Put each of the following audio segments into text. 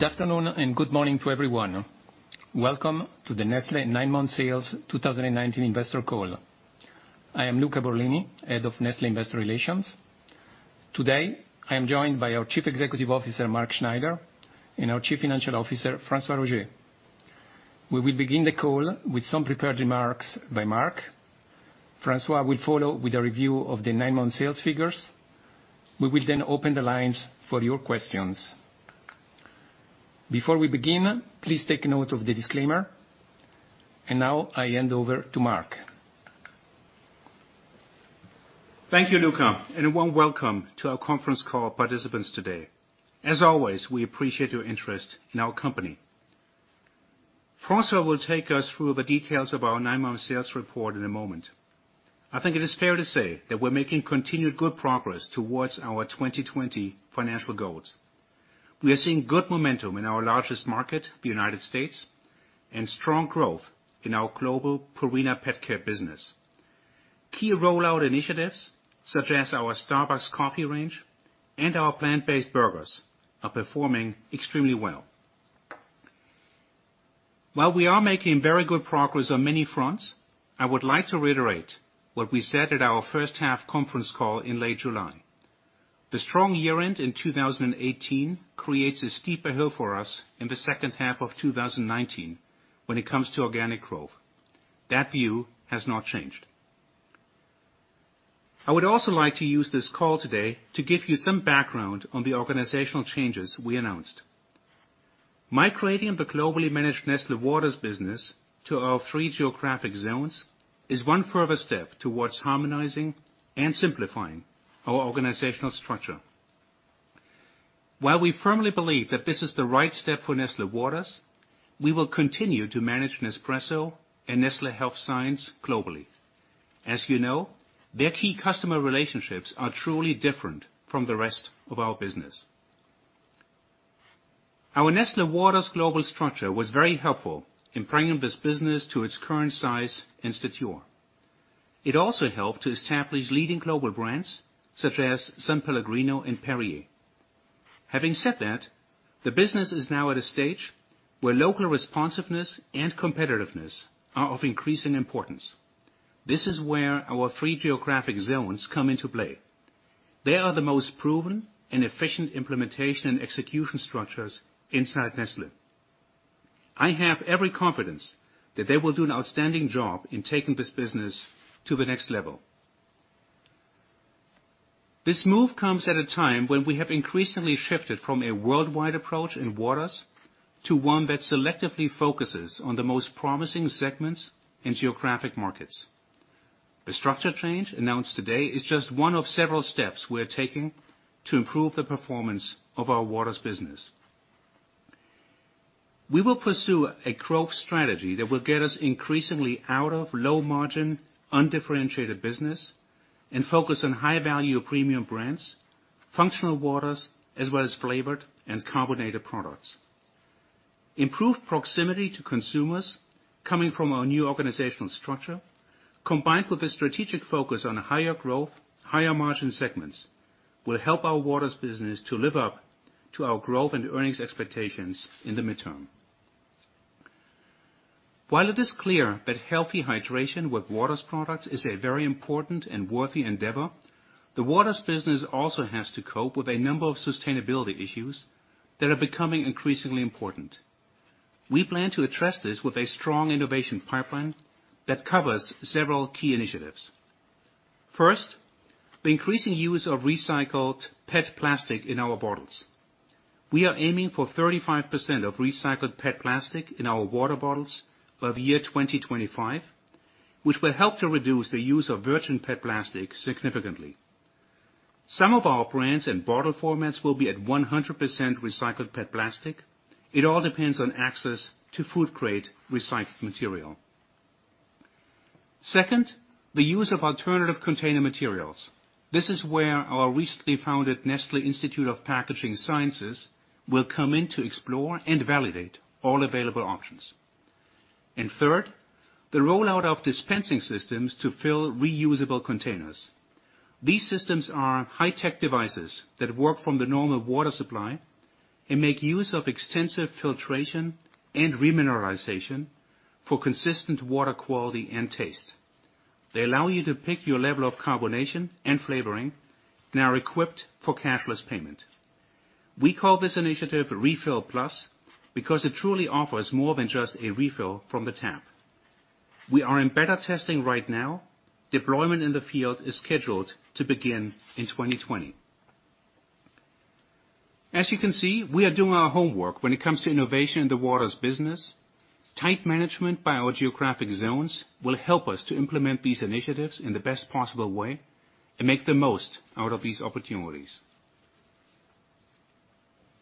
Good afternoon and good morning to everyone. Welcome to the Nestlé Nine Month Sales 2019 investor call. I am Luca Borlini, Head of Nestlé Investor Relations. Today, I am joined by our Chief Executive Officer, Mark Schneider, and our Chief Financial Officer, François Roger. We will begin the call with some prepared remarks by Mark. François will follow with a review of the nine-month sales figures. We will then open the lines for your questions. Before we begin, please take note of the disclaimer. Now I hand over to Mark. Thank you, Luca, and a warm welcome to our conference call participants today. As always, we appreciate your interest in our company. François will take us through the details of our nine-month sales report in a moment. I think it is fair to say that we're making continued good progress towards our 2020 financial goals. We are seeing good momentum in our largest market, the United States, and strong growth in our global Purina pet care business. Key rollout initiatives, such as our Starbucks coffee range and our plant-based burgers, are performing extremely well. While we are making very good progress on many fronts, I would like to reiterate what we said at our first half conference call in late July. The strong year-end in 2018 creates a steeper hill for us in the second half of 2019 when it comes to organic growth. That view has not changed. I would also like to use this call today to give you some background on the organizational changes we announced. Migrating the globally managed Nestlé Waters business to our three geographic zones is one further step towards harmonizing and simplifying our organizational structure. While we firmly believe that this is the right step for Nestlé Waters, we will continue to manage Nespresso and Nestlé Health Science globally. As you know, their key customer relationships are truly different from the rest of our business. Our Nestlé Waters global structure was very helpful in bringing this business to its current size and stature. It also helped to establish leading global brands such as S.Pellegrino and Perrier. Having said that, the business is now at a stage where local responsiveness and competitiveness are of increasing importance. This is where our three geographic zones come into play. They are the most proven and efficient implementation and execution structures inside Nestlé. I have every confidence that they will do an outstanding job in taking this business to the next level. This move comes at a time when we have increasingly shifted from a worldwide approach in waters to one that selectively focuses on the most promising segments and geographic markets. The structure change announced today is just one of several steps we're taking to improve the performance of our waters business. We will pursue a growth strategy that will get us increasingly out of low-margin, undifferentiated business and focus on high-value premium brands, functional waters, as well as flavored and carbonated products. Improved proximity to consumers coming from our new organizational structure, combined with a strategic focus on higher growth, higher margin segments, will help our waters business to live up to our growth and earnings expectations in the midterm. While it is clear that healthy hydration with waters products is a very important and worthy endeavor, the waters business also has to cope with a number of sustainability issues that are becoming increasingly important. We plan to address this with a strong innovation pipeline that covers several key initiatives. First, the increasing use of recycled PET plastic in our bottles. We are aiming for 35% of recycled PET plastic in our water bottles by the year 2025, which will help to reduce the use of virgin PET plastic significantly. Some of our brands and bottle formats will be at 100% recycled PET plastic. It all depends on access to food-grade recycled material. Second, the use of alternative container materials. This is where our recently founded Nestlé Institute of Packaging Sciences will come in to explore and validate all available options. Third, the rollout of dispensing systems to fill reusable containers. These systems are high-tech devices that work from the normal water supply and make use of extensive filtration and remineralization for consistent water quality and taste. They allow you to pick your level of carbonation and flavoring and are equipped for cashless payment. We call this initiative Refill+ because it truly offers more than just a refill from the tap. We are in beta testing right now. Deployment in the field is scheduled to begin in 2020. As you can see, we are doing our homework when it comes to innovation in the waters business. Tight management by our geographic zones will help us to implement these initiatives in the best possible way and make the most out of these opportunities.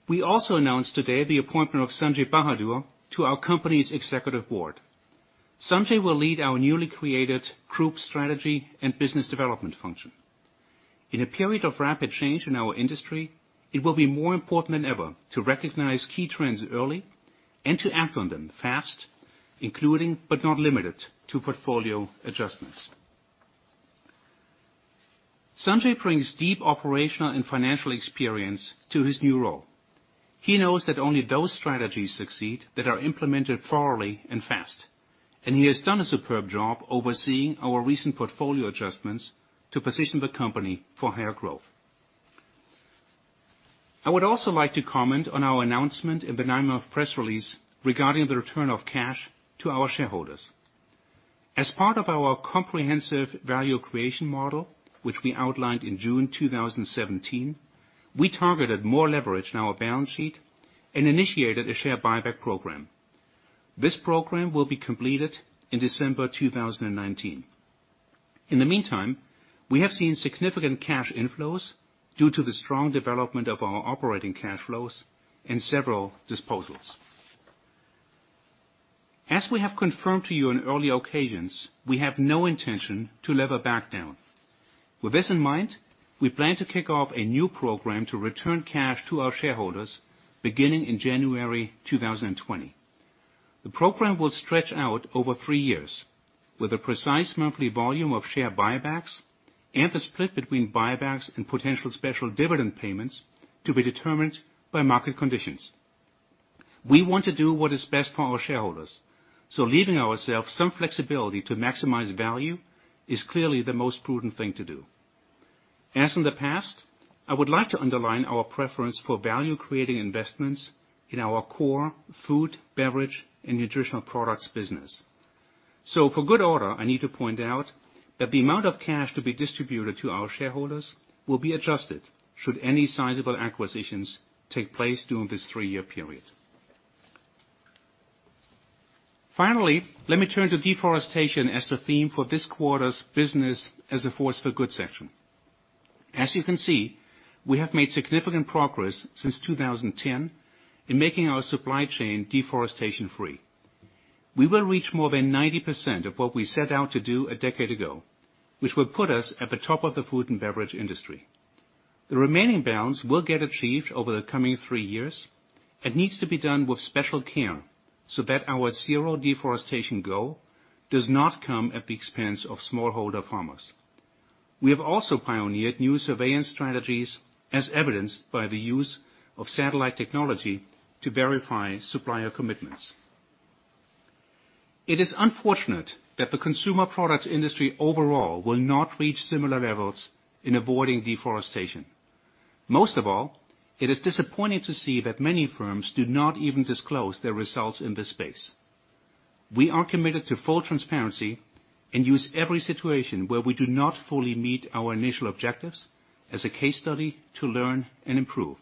We also announced today the appointment of Sanjay Bahadur to our company's Executive Board. Sanjay will lead our newly created Group Strategy and Business Development function. In a period of rapid change in our industry, it will be more important than ever to recognize key trends early and to act on them fast, including but not limited to portfolio adjustments. Sanjay brings deep operational and financial experience to his new role. He knows that only those strategies succeed that are implemented thoroughly and fast, and he has done a superb job overseeing our recent portfolio adjustments to position the company for higher growth. I would also like to comment on our announcement in the nine-month press release regarding the return of cash to our shareholders. As part of our comprehensive value creation model, which we outlined in June 2017, we targeted more leverage in our balance sheet and initiated a share buyback program. This program will be completed in December 2019. In the meantime, we have seen significant cash inflows due to the strong development of our operating cash flows and several disposals. As we have confirmed to you on earlier occasions, we have no intention to lever back down. With this in mind, we plan to kick off a new program to return cash to our shareholders beginning in January 2020. The program will stretch out over three years with a precise monthly volume of share buybacks and the split between buybacks and potential special dividend payments to be determined by market conditions. We want to do what is best for our shareholders, so leaving ourselves some flexibility to maximize value is clearly the most prudent thing to do. As in the past, I would like to underline our preference for value-creating investments in our core food, beverage, and nutritional products business. For good order, I need to point out that the amount of cash to be distributed to our shareholders will be adjusted should any sizable acquisitions take place during this three-year period. Finally, let me turn to deforestation as the theme for this quarter's Business as a Force for Good section. As you can see, we have made significant progress since 2010 in making our supply chain deforestation-free. We will reach more than 90% of what we set out to do a decade ago, which will put us at the top of the food and beverage industry. The remaining balance will get achieved over the coming three years. It needs to be done with special care so that our zero deforestation goal does not come at the expense of smallholder farmers. We have also pioneered new surveillance strategies as evidenced by the use of satellite technology to verify supplier commitments. It is unfortunate that the consumer products industry overall will not reach similar levels in avoiding deforestation. Most of all, it is disappointing to see that many firms do not even disclose their results in this space. We are committed to full transparency and use every situation where we do not fully meet our initial objectives as a case study to learn and improve.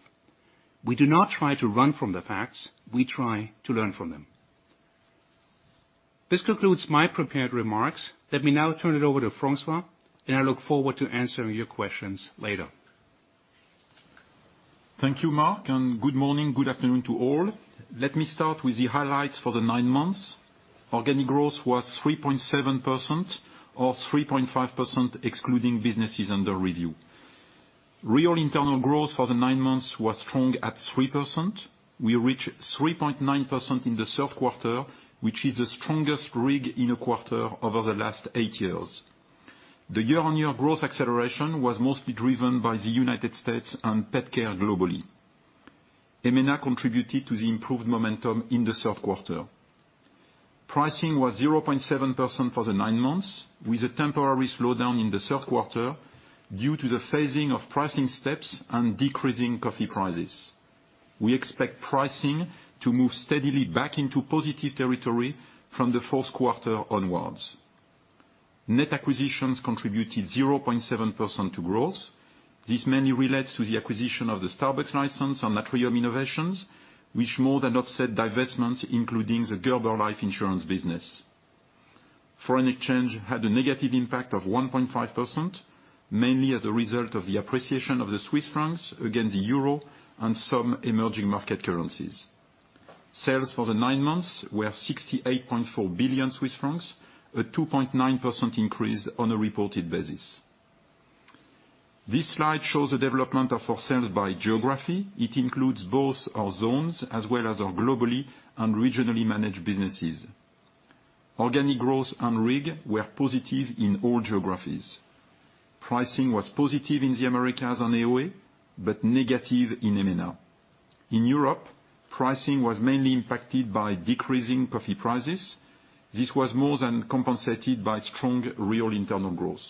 We do not try to run from the facts. We try to learn from them. This concludes my prepared remarks. Let me now turn it over to François. I look forward to answering your questions later. Thank you, Mark, and good morning, good afternoon to all. Let me start with the highlights for the nine months. Organic growth was 3.7%, or 3.5% excluding businesses under review. Real internal growth for the nine months was strong at 3%. We reached 3.9% in the third quarter, which is the strongest RIG in a quarter over the last eight years. The year-on-year growth acceleration was mostly driven by the United States and pet care globally. EMENA contributed to the improved momentum in the third quarter. Pricing was 0.7% for the nine months, with a temporary slowdown in the third quarter due to the phasing of pricing steps and decreasing coffee prices. We expect pricing to move steadily back into positive territory from the fourth quarter onwards. Net acquisitions contributed 0.7% to growth. This mainly relates to the acquisition of the Starbucks license and Atrium Innovations, which more than offset divestments including the Gerber Life Insurance business. Foreign exchange had a negative impact of 1.5%, mainly as a result of the appreciation of the Swiss francs against the euro and some emerging market currencies. Sales for the nine months were 68.4 billion Swiss francs, a 2.9% increase on a reported basis. This slide shows the development of our sales by geography. It includes both our zones as well as our globally and regionally managed businesses. Organic growth and RIG were positive in all geographies. Pricing was positive in the Americas and AOA but negative in EMENA. In Europe, pricing was mainly impacted by decreasing coffee prices. This was more than compensated by strong real internal growth.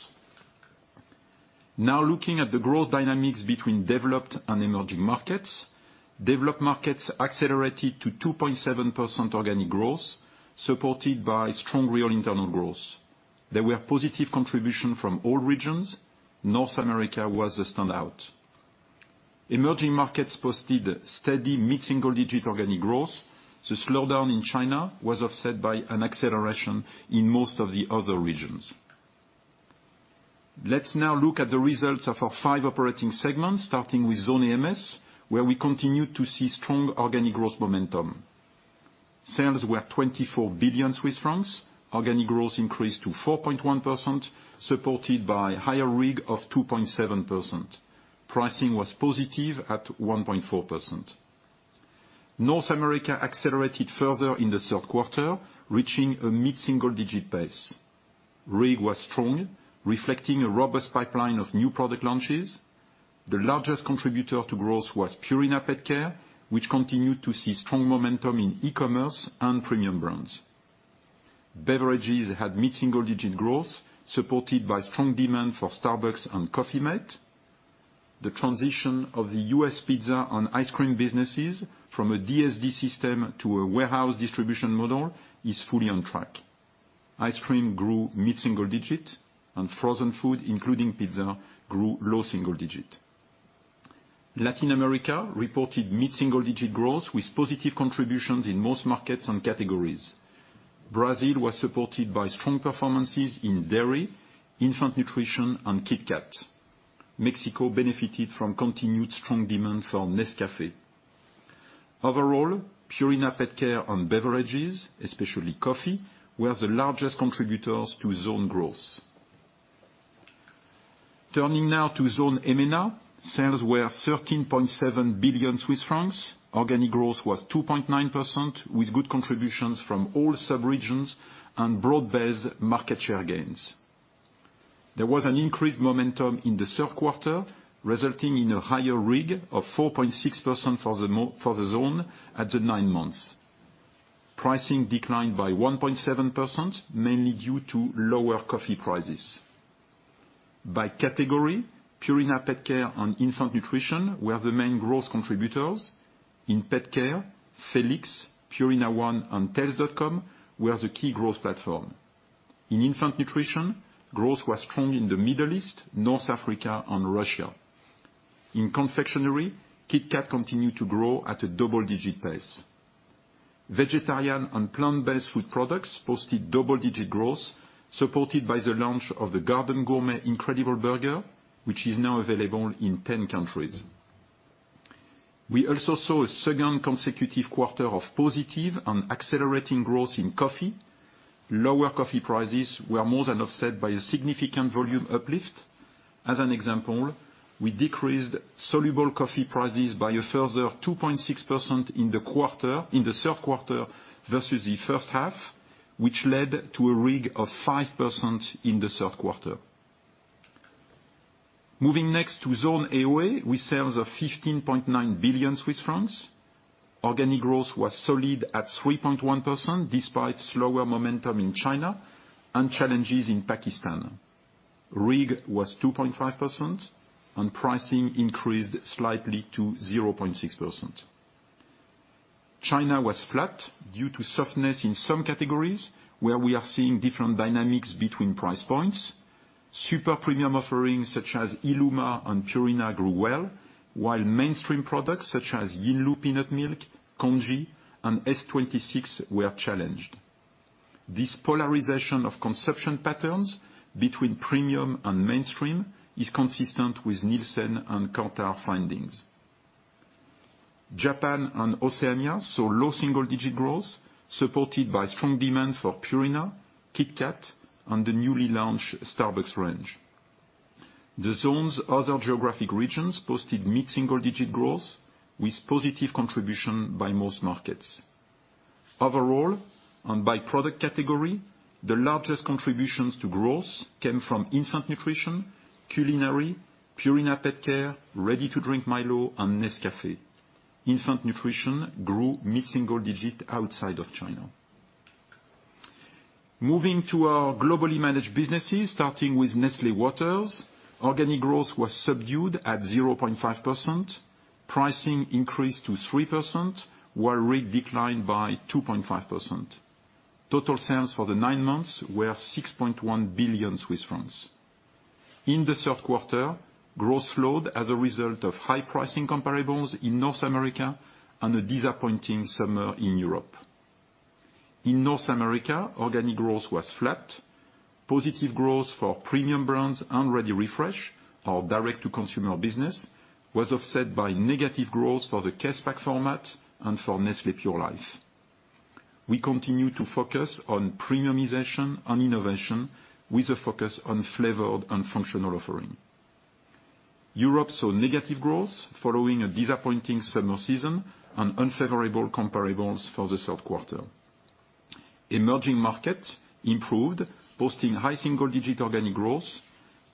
Now looking at the growth dynamics between developed and emerging markets. Developed markets accelerated to 2.7% organic growth, supported by strong real internal growth. There were positive contribution from all regions. North America was the standout. Emerging markets posted steady mid-single digit organic growth. The slowdown in China was offset by an acceleration in most of the other regions. Let's now look at the results of our five operating segments, starting with Zone AMS, where we continue to see strong organic growth momentum. Sales were 24 billion Swiss francs. Organic growth increased to 4.1%, supported by higher RIG of 2.7%. Pricing was positive at 1.4%. North America accelerated further in the third quarter, reaching a mid-single digit pace. RIG was strong, reflecting a robust pipeline of new product launches. The largest contributor to growth was Purina PetCare, which continued to see strong momentum in e-commerce and premium brands. Beverages had mid-single digit growth, supported by strong demand for Starbucks and Coffee-mate. The transition of the U.S. pizza and ice cream businesses from a DSD system to a warehouse distribution model is fully on track. Ice cream grew mid-single digit, and frozen food, including pizza, grew low single digit. Latin America reported mid-single digit growth with positive contributions in most markets and categories. Brazil was supported by strong performances in dairy, infant nutrition, and KitKat. Mexico benefited from continued strong demand for Nescafé. Overall, Purina PetCare and beverages, especially coffee, were the largest contributors to zone growth. Turning now to Zone EMENA. Sales were 13.7 billion Swiss francs. Organic growth was 2.9%, with good contributions from all sub-regions and broad-based market share gains. There was an increased momentum in the third quarter, resulting in a higher RIG of 4.6% for the zone at the nine months. Pricing declined by 1.7%, mainly due to lower coffee prices. By category, Purina PetCare and infant nutrition were the main growth contributors. In pet care, Felix, Purina ONE, and Tails.com were the key growth platform. In infant nutrition, growth was strong in the Middle East, North Africa, and Russia. In confectionery, KitKat continued to grow at a double-digit pace. Vegetarian and plant-based food products posted double-digit growth, supported by the launch of the Garden Gourmet Incredible Burger, which is now available in 10 countries. We also saw a second consecutive quarter of positive and accelerating growth in coffee. Lower coffee prices were more than offset by a significant volume uplift. As an example, we decreased soluble coffee prices by a further 2.6% in the third quarter versus the first half, which led to a RIG of 5% in the third quarter. Moving next to Zone AOA, with sales of 15.9 billion Swiss francs. Organic growth was solid at 3.1%, despite slower momentum in China and challenges in Pakistan. RIG was 2.5% and pricing increased slightly to 0.6%. China was flat due to softness in some categories, where we are seeing different dynamics between price points. Super premium offerings such as Illuma and Purina grew well, while mainstream products such as Yinlu peanut milk, Congee, and S-26 were challenged. This polarization of consumption patterns between premium and mainstream is consistent with Nielsen and Kantar findings. Japan and Oceania saw low single-digit growth, supported by strong demand for Purina, KitKat, and the newly launched Starbucks range. The zone's other geographic regions posted mid-single digit growth with positive contribution by most markets. Overall, by product category, the largest contributions to growth came from infant nutrition, culinary, Purina PetCare, ready-to-drink Milo, and Nescafé. Infant nutrition grew mid-single digit outside of China. Moving to our globally managed businesses, starting with Nestlé Waters. Organic growth was subdued at 0.5%. Pricing increased to 3%, while RIG declined by 2.5%. Total sales for the nine months were 6.1 billion Swiss francs. In the third quarter, growth slowed as a result of high pricing comparables in North America and a disappointing summer in Europe. In North America, organic growth was flat. Positive growth for premium brands and ReadyRefresh, our direct-to-consumer business, was offset by negative growth for the case pack format and for Nestlé Pure Life. We continue to focus on premiumization and innovation, with a focus on flavored and functional offering. Europe saw negative growth following a disappointing summer season and unfavorable comparables for the third quarter. Emerging markets improved, posting high single-digit organic growth.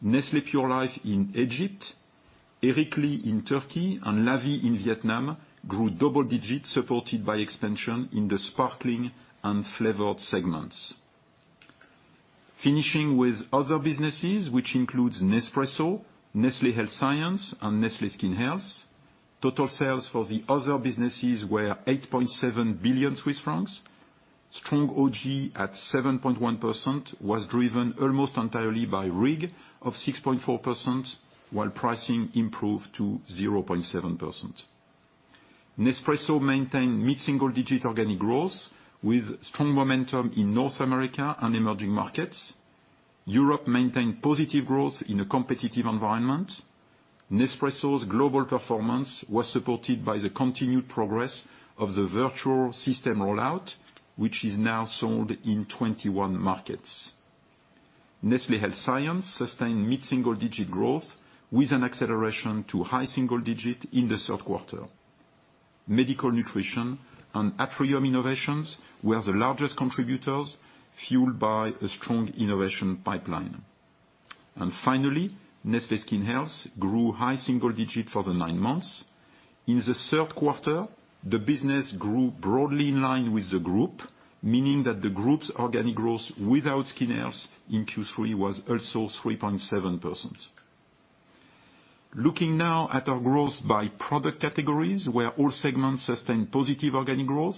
Nestlé Pure Life in Egypt, Erikli in Turkey, and La Vie in Vietnam grew double digits, supported by expansion in the sparkling and flavored segments. Finishing with other businesses, which includes Nespresso, Nestlé Health Science, and Nestlé Skin Health. Total sales for the other businesses were 8.7 billion Swiss francs. Strong OG at 7.1% was driven almost entirely by RIG of 6.4%, while pricing improved to 0.7%. Nespresso maintained mid-single digit organic growth, with strong momentum in North America and emerging markets. Europe maintained positive growth in a competitive environment. Nespresso's global performance was supported by the continued progress of the Vertuo system rollout, which is now sold in 21 markets. Nestlé Health Science sustained mid-single digit growth with an acceleration to high single digit in the third quarter. Medical Nutrition and Atrium Innovations were the largest contributors, fueled by a strong innovation pipeline. Finally, Nestlé Skin Health grew high single digit for the nine months. In the third quarter, the business grew broadly in line with the group, meaning that the group's organic growth without Skin Health in Q3 was also 3.7%. Looking now at our growth by product categories, where all segments sustained positive organic growth.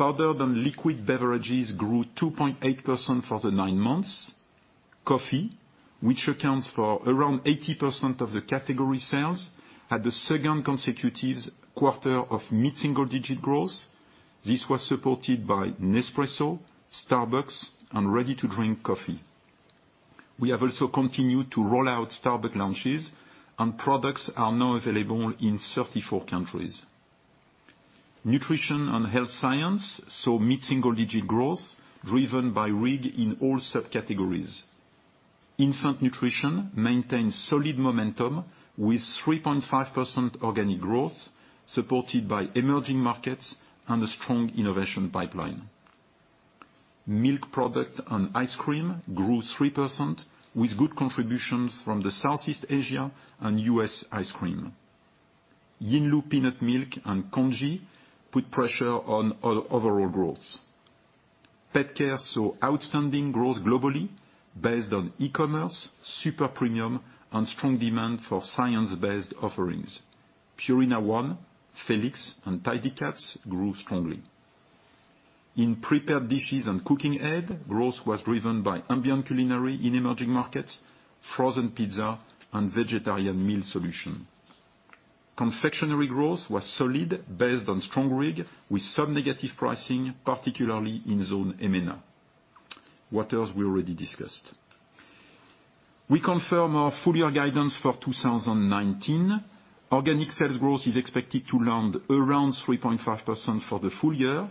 Powder and liquid beverages grew 2.8% for the nine months. Coffee, which accounts for around 80% of the category sales, had the second consecutive quarter of mid-single digit growth. This was supported by Nespresso, Starbucks, and ready-to-drink coffee. We have also continued to roll out Starbucks launches and products are now available in 34 countries. Nestlé Health Science saw mid-single digit growth driven by RIG in all subcategories. Nestlé Nutrition maintained solid momentum with 3.5% organic growth supported by emerging markets and a strong innovation pipeline. Milk product and ice cream grew 3% with good contributions from the Southeast Asia and U.S. ice cream. Yinlu peanut milk and congee put pressure on overall growth. Pet care saw outstanding growth globally based on e-commerce, super premium, and strong demand for science-based offerings. Purina ONE, Felix, and Tidy Cats grew strongly. In prepared dishes and cooking aid, growth was driven by ambient culinary in emerging markets, frozen pizza, and vegetarian meal solution. Confectionery growth was solid, based on strong RIG, with some negative pricing, particularly in Zone EMENA. Waters we already discussed. We confirm our full year guidance for 2019. Organic sales growth is expected to land around 3.5% for the full year.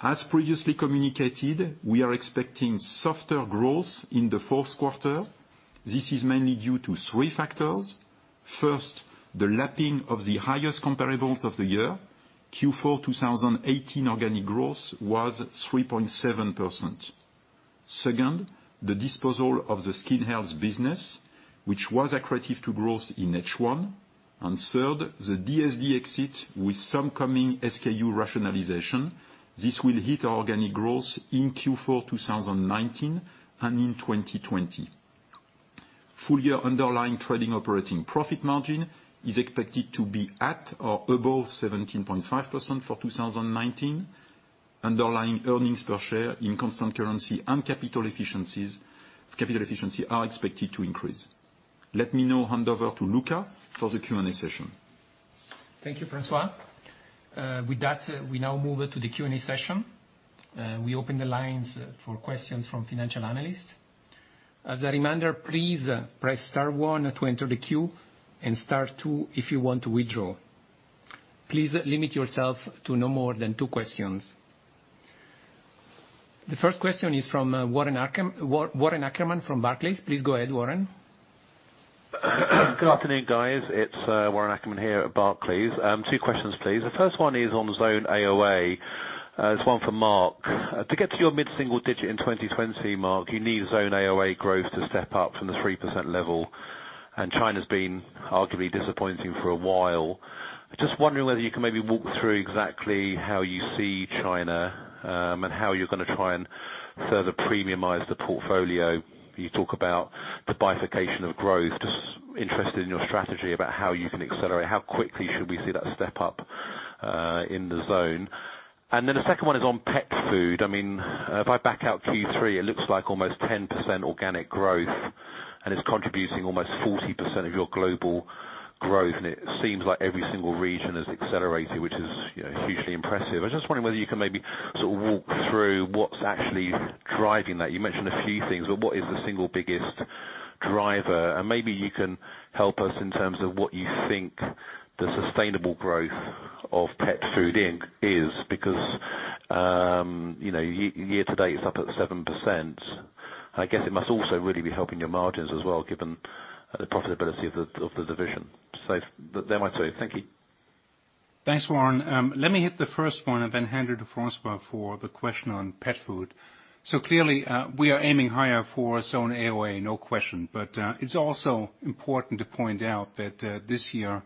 As previously communicated, we are expecting softer growth in the fourth quarter. This is mainly due to three factors. First, the lapping of the highest comparables of the year, Q4 2018 organic growth was 3.7%. Second, the disposal of the Skin Health business, which was accretive to growth in H1. Third, the DSD exit with some coming SKU rationalization. This will hit our organic growth in Q4 2019 and in 2020. Full year underlying trading operating profit margin is expected to be at or above 17.5% for 2019. Underlying earnings per share in constant currency and capital efficiency are expected to increase. Let me now hand over to Luca for the Q&A session. Thank you, François. With that, we now move to the Q&A session. We open the lines for questions from financial analysts. As a reminder, please press star one to enter the queue and star two if you want to withdraw. Please limit yourself to no more than two questions. The first question is from Warren Ackerman from Barclays. Please go ahead, Warren. Good afternoon, guys. It's Warren Ackerman here at Barclays. Two questions, please. The first one is on Zone AOA. It's one for Mark. To get to your mid-single digit in 2020, Mark, you need Zone AOA growth to step up from the 3% level, and China's been arguably disappointing for a while. I'm just wondering whether you can maybe walk through exactly how you see China, and how you're going to try and further premiumize the portfolio. You talk about the bifurcation of growth. Just interested in your strategy about how you can accelerate. How quickly should we see that step up, in the zone? The second one is on pet food. If I back out Q3, it looks like almost 10% organic growth, and it's contributing almost 40% of your global growth, and it seems like every single region has accelerated, which is hugely impressive. I was just wondering whether you can maybe sort of walk through what's actually driving that. You mentioned a few things, but what is the single biggest driver? Maybe you can help us in terms of what you think the sustainable growth of Pet Food Inc. is, because year to date it's up at 7%. I guess it must also really be helping your margins as well, given the profitability of the division. They're my two. Thank you. Thanks, Warren. Let me hit the first one and then hand you to François for the question on pet food. Clearly, we are aiming higher for Zone AOA, no question. It's also important to point out that this year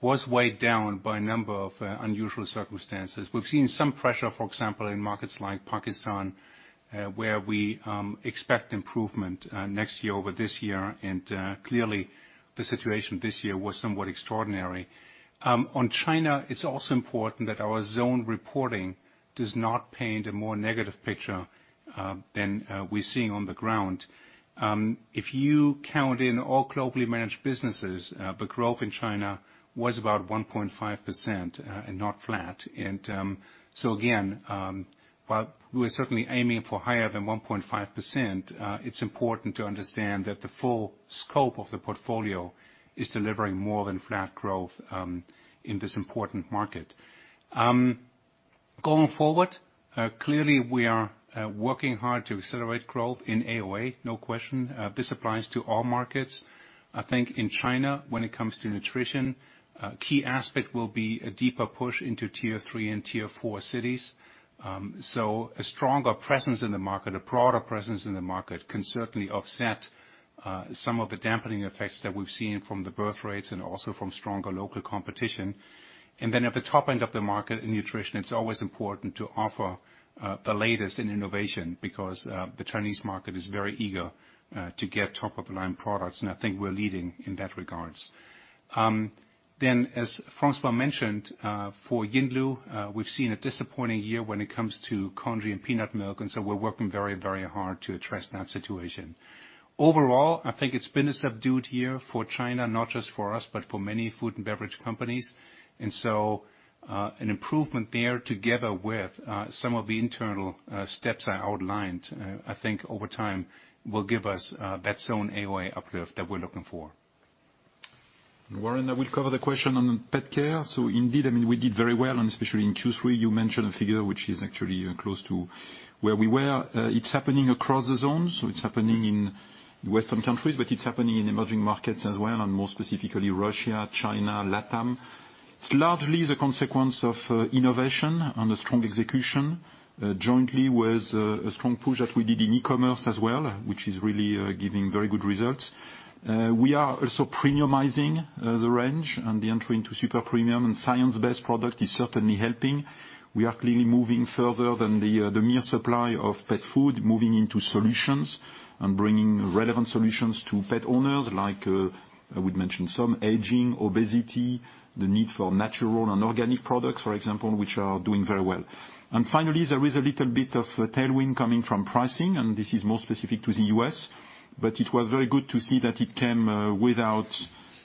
was weighed down by a number of unusual circumstances. We've seen some pressure, for example, in markets like Pakistan, where we expect improvement next year over this year. Clearly the situation this year was somewhat extraordinary. On China, it's also important that our zone reporting does not paint a more negative picture than we're seeing on the ground. If you count in all globally managed businesses, the growth in China was about 1.5% and not flat. Again, while we're certainly aiming for higher than 1.5%, it's important to understand that the full scope of the portfolio is delivering more than flat growth in this important market. Going forward, clearly we are working hard to accelerate growth in AOA, no question. This applies to all markets. I think in China, when it comes to nutrition, key aspect will be a deeper push into tier 3 and tier 4 cities. A stronger presence in the market, a broader presence in the market can certainly offset some of the dampening effects that we've seen from the birth rates and also from stronger local competition. At the top end of the market, in nutrition, it's always important to offer the latest in innovation because the Chinese market is very eager to get top-of-the-line products, and I think we're leading in that regards. As François mentioned, for Yinlu, we've seen a disappointing year when it comes to congee and peanut milk, and so we're working very hard to address that situation. Overall, I think it's been a subdued year for China, not just for us, but for many food and beverage companies. An improvement there together with some of the internal steps I outlined, I think over time will give us that Zone AOA uplift that we're looking for. Warren, I will cover the question on pet care. Indeed, we did very well, and especially in Q3, you mentioned a figure which is actually close to where we were. It's happening across the zones. It's happening in Western countries, but it's happening in emerging markets as well, and more specifically, Russia, China, LATAM. It's largely the consequence of innovation and a strong execution, jointly with a strong push that we did in e-commerce as well, which is really giving very good results. We are also premiumizing the range and the entry into super premium and science-based product is certainly helping. We are clearly moving further than the mere supply of pet food, moving into solutions and bringing relevant solutions to pet owners like, I would mention some, aging, obesity, the need for natural and organic products, for example, which are doing very well. Finally, there is a little bit of tailwind coming from pricing, and this is more specific to the U.S., but it was very good to see that it came without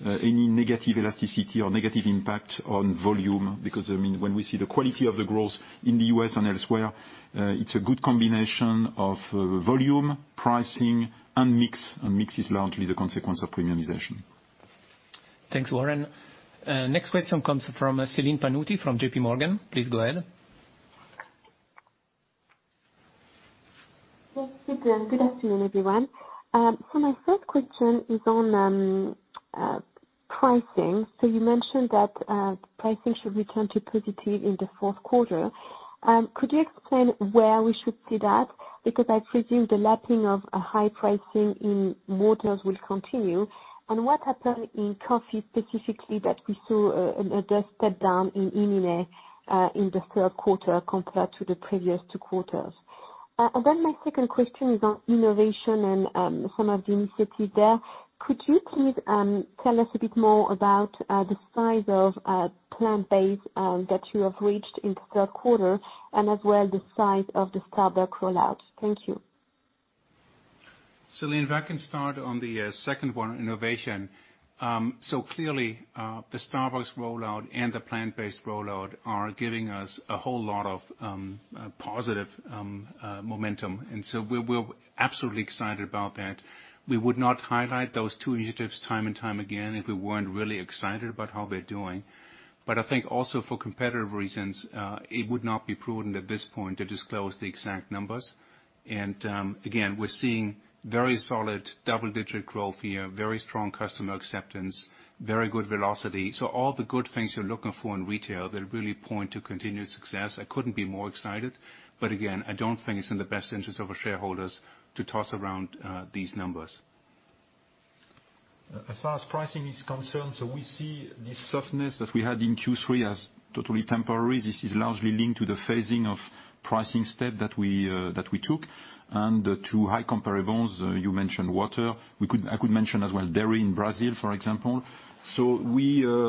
any negative elasticity or negative impact on volume. When we see the quality of the growth in the U.S. and elsewhere, it's a good combination of volume, pricing and mix. Mix is largely the consequence of premiumization. Thanks, Warren. Next question comes from Celine Pannuti from JPMorgan. Please go ahead. Good afternoon, everyone. My first question is on pricing. You mentioned that pricing should return to positive in the fourth quarter. Could you explain where we should see that? I presume the lapping of a high pricing in Nestlé Waters will continue. What happened in coffee specifically that we saw an adjusted step down in EMENA in the third quarter compared to the previous two quarters? My second question is on innovation and some of the initiatives there. Could you please tell us a bit more about the size of plant-based that you have reached in third quarter, and as well, the size of the Starbucks rollout? Thank you. Celine, I can start on the second one, innovation. Clearly, the Starbucks rollout and the plant-based rollout are giving us a whole lot of positive momentum. We're absolutely excited about that. We would not highlight those two initiatives time and time again if we weren't really excited about how they're doing. I think also for competitive reasons, it would not be prudent at this point to disclose the exact numbers. Again, we're seeing very solid double-digit growth here, very strong customer acceptance, very good velocity. All the good things you're looking for in retail that really point to continued success, I couldn't be more excited. Again, I don't think it's in the best interest of our shareholders to toss around these numbers. As far as pricing is concerned, we see this softness that we had in Q3 as totally temporary. This is largely linked to the phasing of pricing step that we took and to high comparables. You mentioned water. I could mention as well dairy in Brazil, for example. There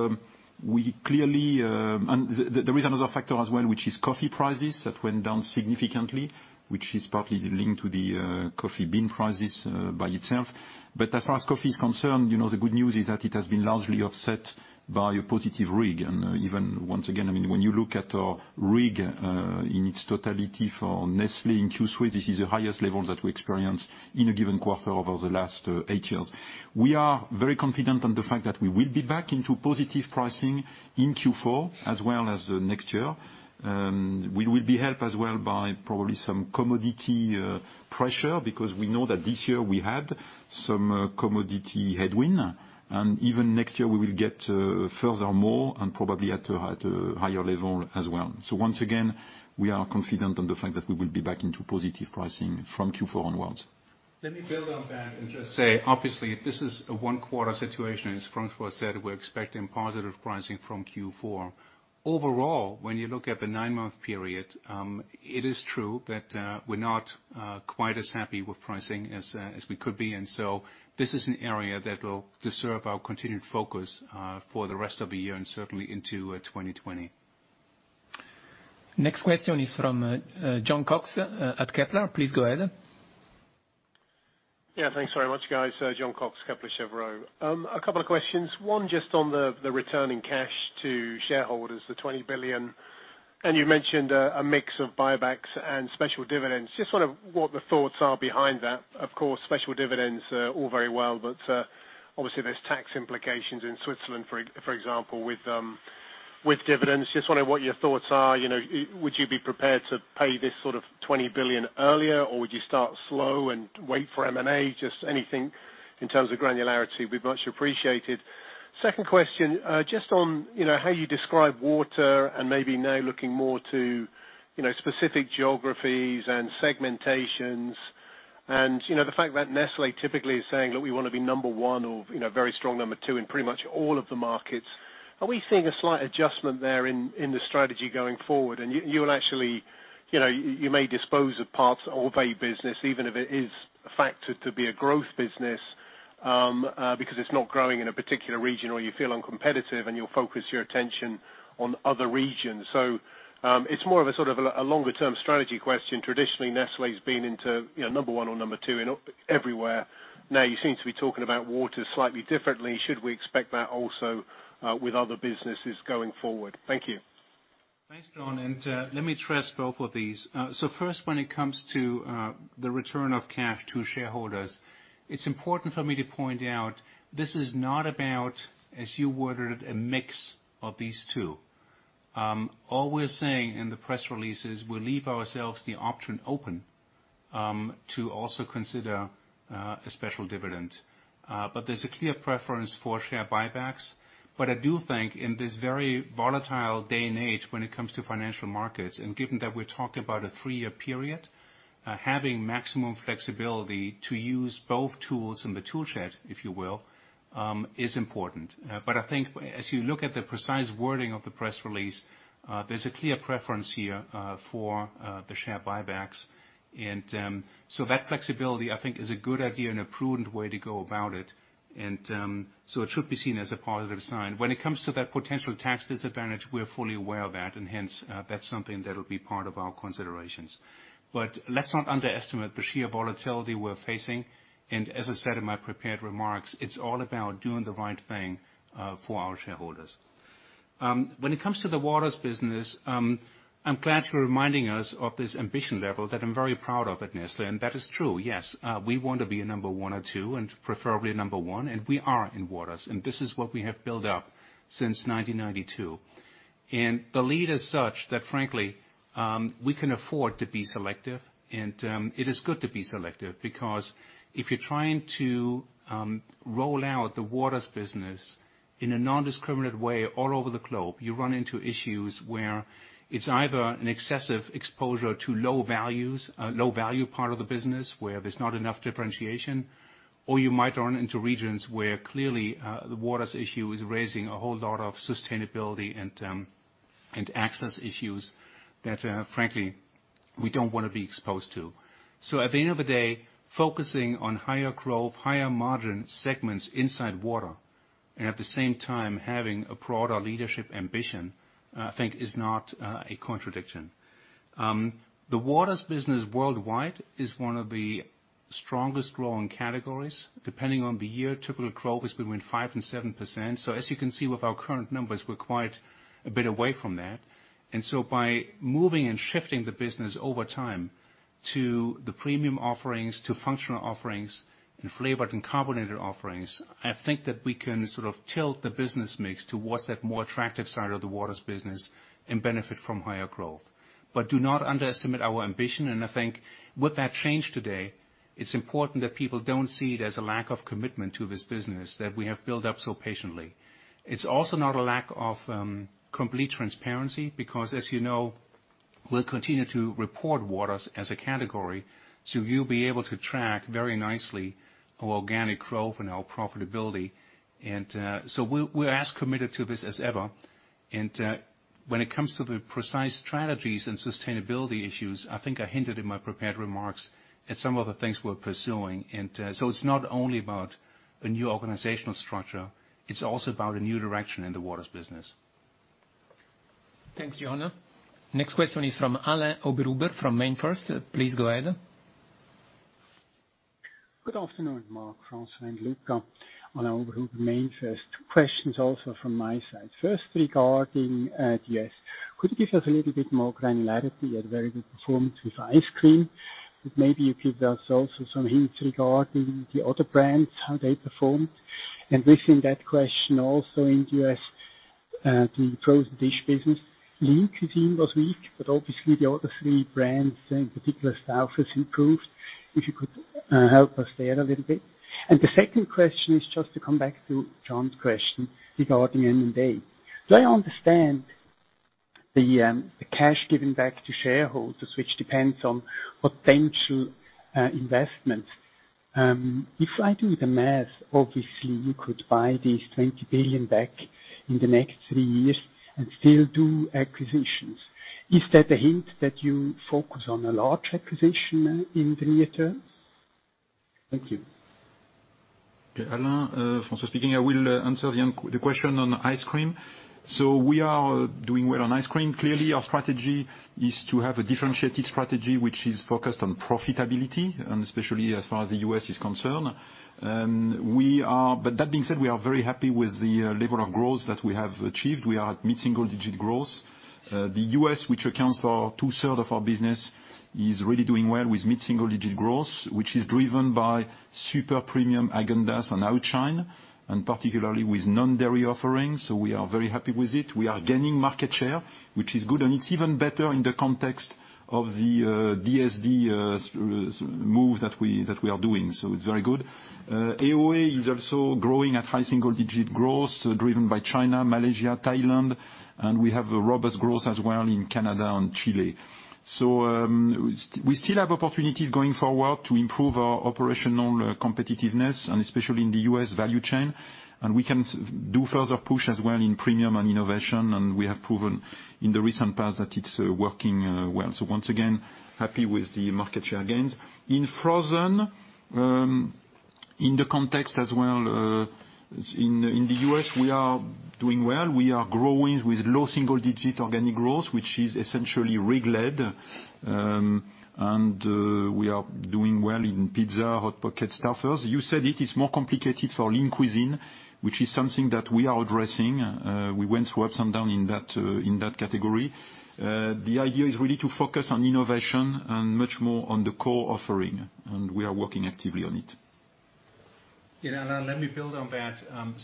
is another factor as well, which is coffee prices that went down significantly, which is partly linked to the coffee bean prices by itself. As far as coffee is concerned, the good news is that it has been largely offset by a positive RIG. Even once again, when you look at our RIG in its totality for Nestlé in Q3, this is the highest level that we experience in a given quarter over the last eight years. We are very confident on the fact that we will be back into positive pricing in Q4 as well as next year. We will be helped as well by probably some commodity pressure because we know that this year we had some commodity headwind, and even next year we will get further more and probably at a higher level as well. Once again, we are confident on the fact that we will be back into positive pricing from Q4 onwards. Let me build on that and just say, obviously, this is a one-quarter situation. As François said, we're expecting positive pricing from Q4. Overall, when you look at the nine-month period, it is true that we're not quite as happy with pricing as we could be. This is an area that will deserve our continued focus for the rest of the year and certainly into 2020. Next question is from Jon Cox at Kepler. Please go ahead. Yeah, thanks very much, guys. Jon Cox, Kepler Cheuvreux. A couple of questions. One just on the returning cash to shareholders, the 20 billion. You mentioned a mix of buybacks and special dividends. Just wonder what the thoughts are behind that. Of course, special dividends are all very well, but obviously there's tax implications in Switzerland, for example, with dividends. Just wondering what your thoughts are. Would you be prepared to pay this sort of 20 billion earlier, or would you start slow and wait for M&A? Just anything in terms of granularity will be much appreciated. Second question, just on how you describe water and maybe now looking more to specific geographies and segmentations, and the fact that Nestlé typically is saying, "Look, we want to be number 1 or very strong number 2 in pretty much all of the markets." Are we seeing a slight adjustment there in the strategy going forward? You may dispose of parts of a business, even if it is factored to be a growth business, because it's not growing in a particular region, or you feel uncompetitive and you'll focus your attention on other regions. It's more of a sort of longer term strategy question. Traditionally, Nestlé's been into number 1 or number 2 in everywhere. Now you seem to be talking about waters slightly differently. Should we expect that also with other businesses going forward? Thank you. Thanks, Jon, let me address both of these. First, when it comes to the return of cash to shareholders, it's important for me to point out this is not about, as you worded it, a mix of these two. All we're saying in the press releases, we leave ourselves the option open, to also consider a special dividend. There's a clear preference for share buybacks. I do think in this very volatile day and age, when it comes to financial markets, and given that we're talking about a three-year period, having maximum flexibility to use both tools in the tool shed, if you will, is important. I think as you look at the precise wording of the press release, there's a clear preference here for the share buybacks. That flexibility, I think, is a good idea and a prudent way to go about it. It should be seen as a positive sign. When it comes to that potential tax disadvantage, we're fully aware of that, and hence, that's something that will be part of our considerations. Let's not underestimate the sheer volatility we're facing. As I said in my prepared remarks, it's all about doing the right thing for our shareholders. When it comes to the waters business, I'm glad you're reminding us of this ambition level that I'm very proud of at Nestlé, and that is true, yes. We want to be a number 1 or 2, and preferably a number 1, and we are in waters. This is what we have built up since 1992. The lead is such that frankly, we can afford to be selective and it is good to be selective, because if you're trying to roll out the waters business in a nondiscriminative way all over the globe, you run into issues where it's either an excessive exposure to low value part of the business, where there's not enough differentiation, or you might run into regions where clearly, the waters issue is raising a whole lot of sustainability and access issues that frankly, we don't want to be exposed to. At the end of the day, focusing on higher growth, higher margin segments inside water, and at the same time, having a broader leadership ambition, I think is not a contradiction. The waters business worldwide is one of the strongest growing categories, depending on the year. Typical growth is between 5% and 7%. As you can see with our current numbers, we're quite a bit away from that. By moving and shifting the business over time to the premium offerings, to functional offerings, and flavored and carbonated offerings, I think that we can sort of tilt the business mix towards that more attractive side of the waters business and benefit from higher growth. Do not underestimate our ambition. I think with that change today, it's important that people don't see it as a lack of commitment to this business that we have built up so patiently. It's also not a lack of complete transparency because as you know, we'll continue to report waters as a category, so you'll be able to track very nicely our organic growth and our profitability. We're as committed to this as ever. When it comes to the precise strategies and sustainability issues, I think I hinted in my prepared remarks at some of the things we're pursuing. It's not only about a new organizational structure, it's also about a new direction in the waters business. Thanks, Jon. Next question is from Alain Oberhuber, from MainFirst. Please go ahead. Good afternoon, Mark, François and Luca. Alain Oberhuber, MainFirst. Two questions also from my side. First, regarding DSD. Could you give us a little bit more granularity? You had very good performance with ice cream. Maybe you could give us also some hints regarding the other brands, how they performed. Within that question also in the U.S., the frozen dish business. Lean Cuisine was weak, but obviously the other three brands, in particular Stouffer's improved. If you could help us there a little bit. The second question is just to come back to Jon's question regarding M&A. Do I understand the cash given back to shareholders, which depends on potential investments? If I do the math, obviously you could buy these 20 billion back in the next three years and still do acquisitions. Is that a hint that you focus on a large acquisition in the near term? Thank you. Alain. François speaking. I will answer the question on ice cream. We are doing well on ice cream. Clearly, our strategy is to have a differentiated strategy, which is focused on profitability, and especially as far as the U.S. is concerned. That being said, we are very happy with the level of growth that we have achieved. We are at mid-single digit growth. The U.S., which accounts for two-third of our business, is really doing well with mid-single digit growth, which is driven by super premium Häagen-Dazs and Outshine, and particularly with non-dairy offerings. We are very happy with it. We are gaining market share, which is good, and it's even better in the context of the DSD move that we are doing. It's very good. AOA is also growing at high single-digit growth, driven by China, Malaysia, Thailand, and we have a robust growth as well in Canada and Chile. We still have opportunities going forward to improve our operational competitiveness and especially in the U.S. value chain. We can do further push as well in premium and innovation, and we have proven in the recent past that it's working well. Once again, happy with the market share gains. In frozen, in the context as well, in the U.S., we are doing well. We are growing with low single-digit organic growth, which is essentially RIG-led. We are doing well in pizza, Hot Pockets, Stouffer's. You said it is more complicated for Lean Cuisine, which is something that we are addressing. We went through ups and down in that category. The idea is really to focus on innovation and much more on the core offering, and we are working actively on it. Yeah, Alain, let me build on that.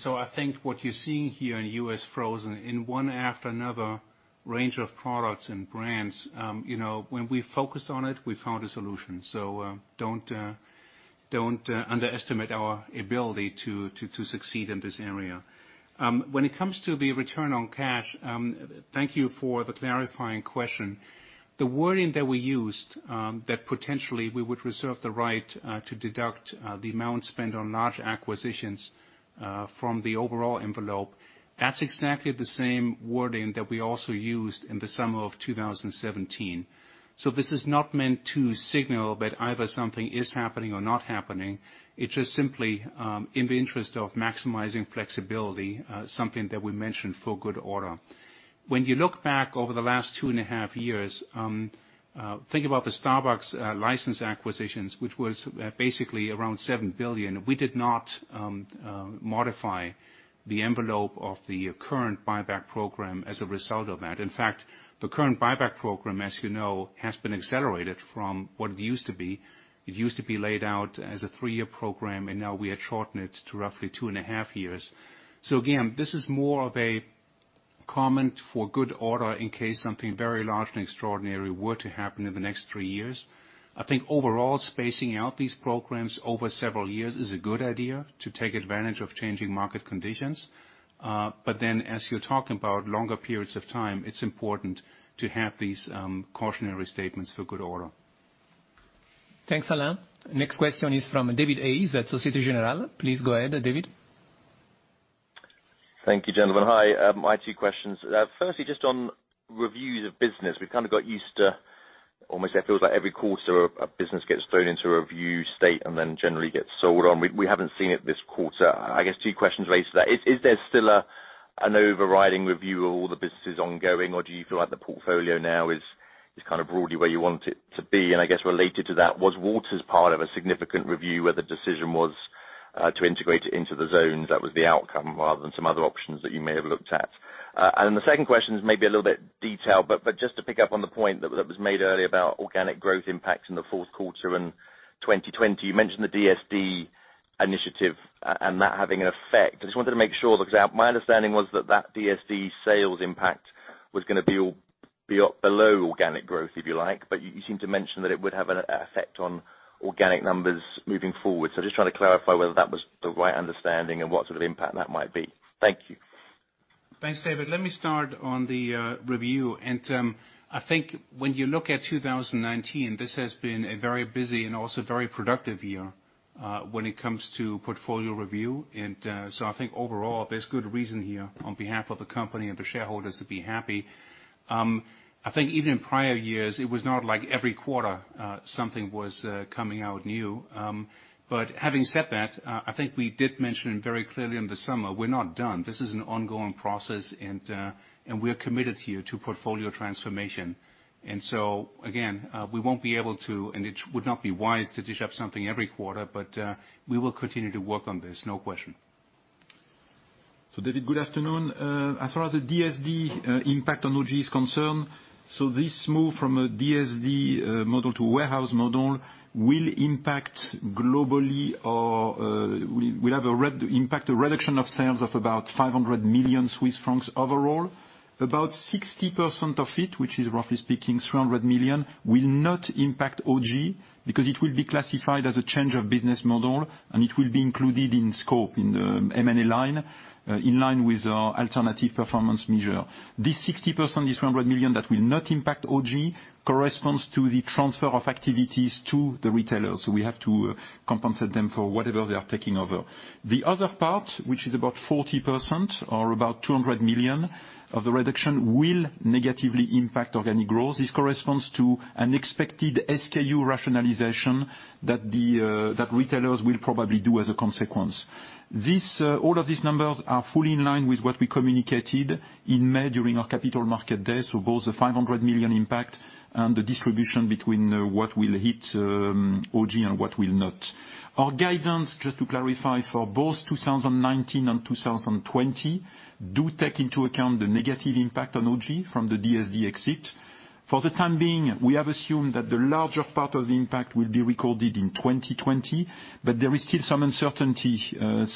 I think what you're seeing here in US frozen in one after another range of products and brands, when we focused on it, we found a solution. Don't underestimate our ability to succeed in this area. When it comes to the return on cash, thank you for the clarifying question. The wording that we used, that potentially we would reserve the right to deduct the amount spent on large acquisitions from the overall envelope, that's exactly the same wording that we also used in the summer of 2017. This is not meant to signal that either something is happening or not happening. It's just simply, in the interest of maximizing flexibility, something that we mentioned for good order. When you look back over the last two and a half years, think about the Starbucks license acquisitions, which was basically around 7 billion. We did not modify the envelope of the current buyback program as a result of that. The current buyback program, as you know, has been accelerated from what it used to be. It used to be laid out as a three-year program. Now we had shortened it to roughly two and a half years. Again, this is more of a comment for good order in case something very large and extraordinary were to happen in the next three years. I think overall, spacing out these programs over several years is a good idea to take advantage of changing market conditions. As you're talking about longer periods of time, it's important to have these cautionary statements for good order. Thanks, Alain. Next question is from David Hayes at Société Générale. Please go ahead, David. Thank you, gentlemen. Hi. My two questions. Firstly, just on reviews of business. We've kind of got used to almost, it feels like every quarter a business gets thrown into a review state and then generally gets sold on. We haven't seen it this quarter. I guess two questions raised to that. Is there still an overriding review of all the businesses ongoing, or do you feel like the portfolio now is kind of broadly where you want it to be? I guess related to that, was Waters part of a significant review where the decision was to integrate it into the Zones, that was the outcome rather than some other options that you may have looked at? The second question is maybe a little bit detailed, but just to pick up on the point that was made earlier about organic growth impact in the fourth quarter and 2020. You mentioned the DSD initiative and that having an effect. I just wanted to make sure, because my understanding was that that DSD sales impact was going to be below organic growth, if you like. You seem to mention that it would have an effect on organic numbers moving forward. I'm just trying to clarify whether that was the right understanding and what sort of impact that might be. Thank you. Thanks, David. Let me start on the review. I think when you look at 2019, this has been a very busy and also very productive year when it comes to portfolio review. I think overall, there's good reason here on behalf of the company and the shareholders to be happy. I think even in prior years, it was not like every quarter something was coming out new. Having said that, I think we did mention very clearly in the summer, we're not done. This is an ongoing process and we're committed here to portfolio transformation. Again, we won't be able to, and it would not be wise to dish up something every quarter. We will continue to work on this, no question. David, good afternoon. As far as the DSD impact on OG is concerned, this move from a DSD model to warehouse model will impact globally or will have an impact, a reduction of sales of about 500 million Swiss francs overall. About 60% of it, which is roughly speaking 300 million, will not impact OG because it will be classified as a change of business model, and it will be included in scope in the M&A line, in line with our alternative performance measure. This 60%, this 300 million that will not impact OG, corresponds to the transfer of activities to the retailers. We have to compensate them for whatever they are taking over. The other part, which is about 40% or about 200 million of the reduction, will negatively impact organic growth. This corresponds to an expected SKU rationalization that retailers will probably do as a consequence. All of these numbers are fully in line with what we communicated in May during our capital market day. Both the 500 million impact and the distribution between what will hit OG and what will not. Our guidance, just to clarify, for both 2019 and 2020, do take into account the negative impact on OG from the DSD exit. For the time being, we have assumed that the larger part of the impact will be recorded in 2020, but there is still some uncertainty.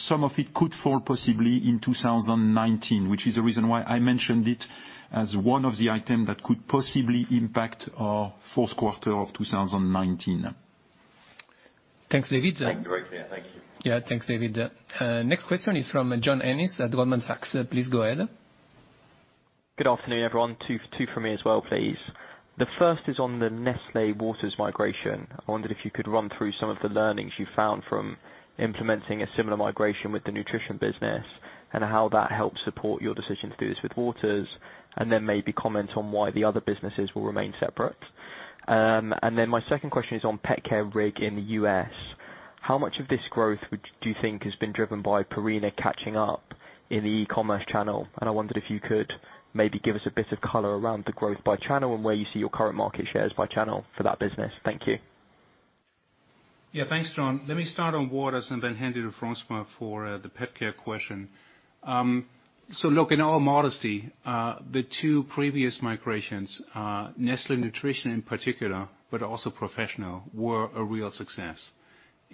Some of it could fall possibly in 2019, which is the reason why I mentioned it as one of the item that could possibly impact our fourth quarter of 2019. Thanks, David. Thank you, François. Thank you. Yeah, thanks, David. Next question is from John Ennis at Goldman Sachs. Please go ahead. Good afternoon, everyone. Two from me as well, please. The first is on the Nestlé Waters migration. I wondered if you could run through some of the learnings you found from implementing a similar migration with the Nestlé Nutrition business, and how that helped support your decision to do this with Nestlé Waters, and then maybe comment on why the other businesses will remain separate. My second question is on pet care RIG in the U.S. How much of this growth do you think has been driven by Purina catching up in the e-commerce channel? I wondered if you could maybe give us a bit of color around the growth by channel and where you see your current market shares by channel for that business. Thank you. Thanks, John. Let me start on Waters and then hand it to François for the pet care question. In all modesty, the two previous migrations, Nestlé Nutrition in particular, but also Professional, were a real success.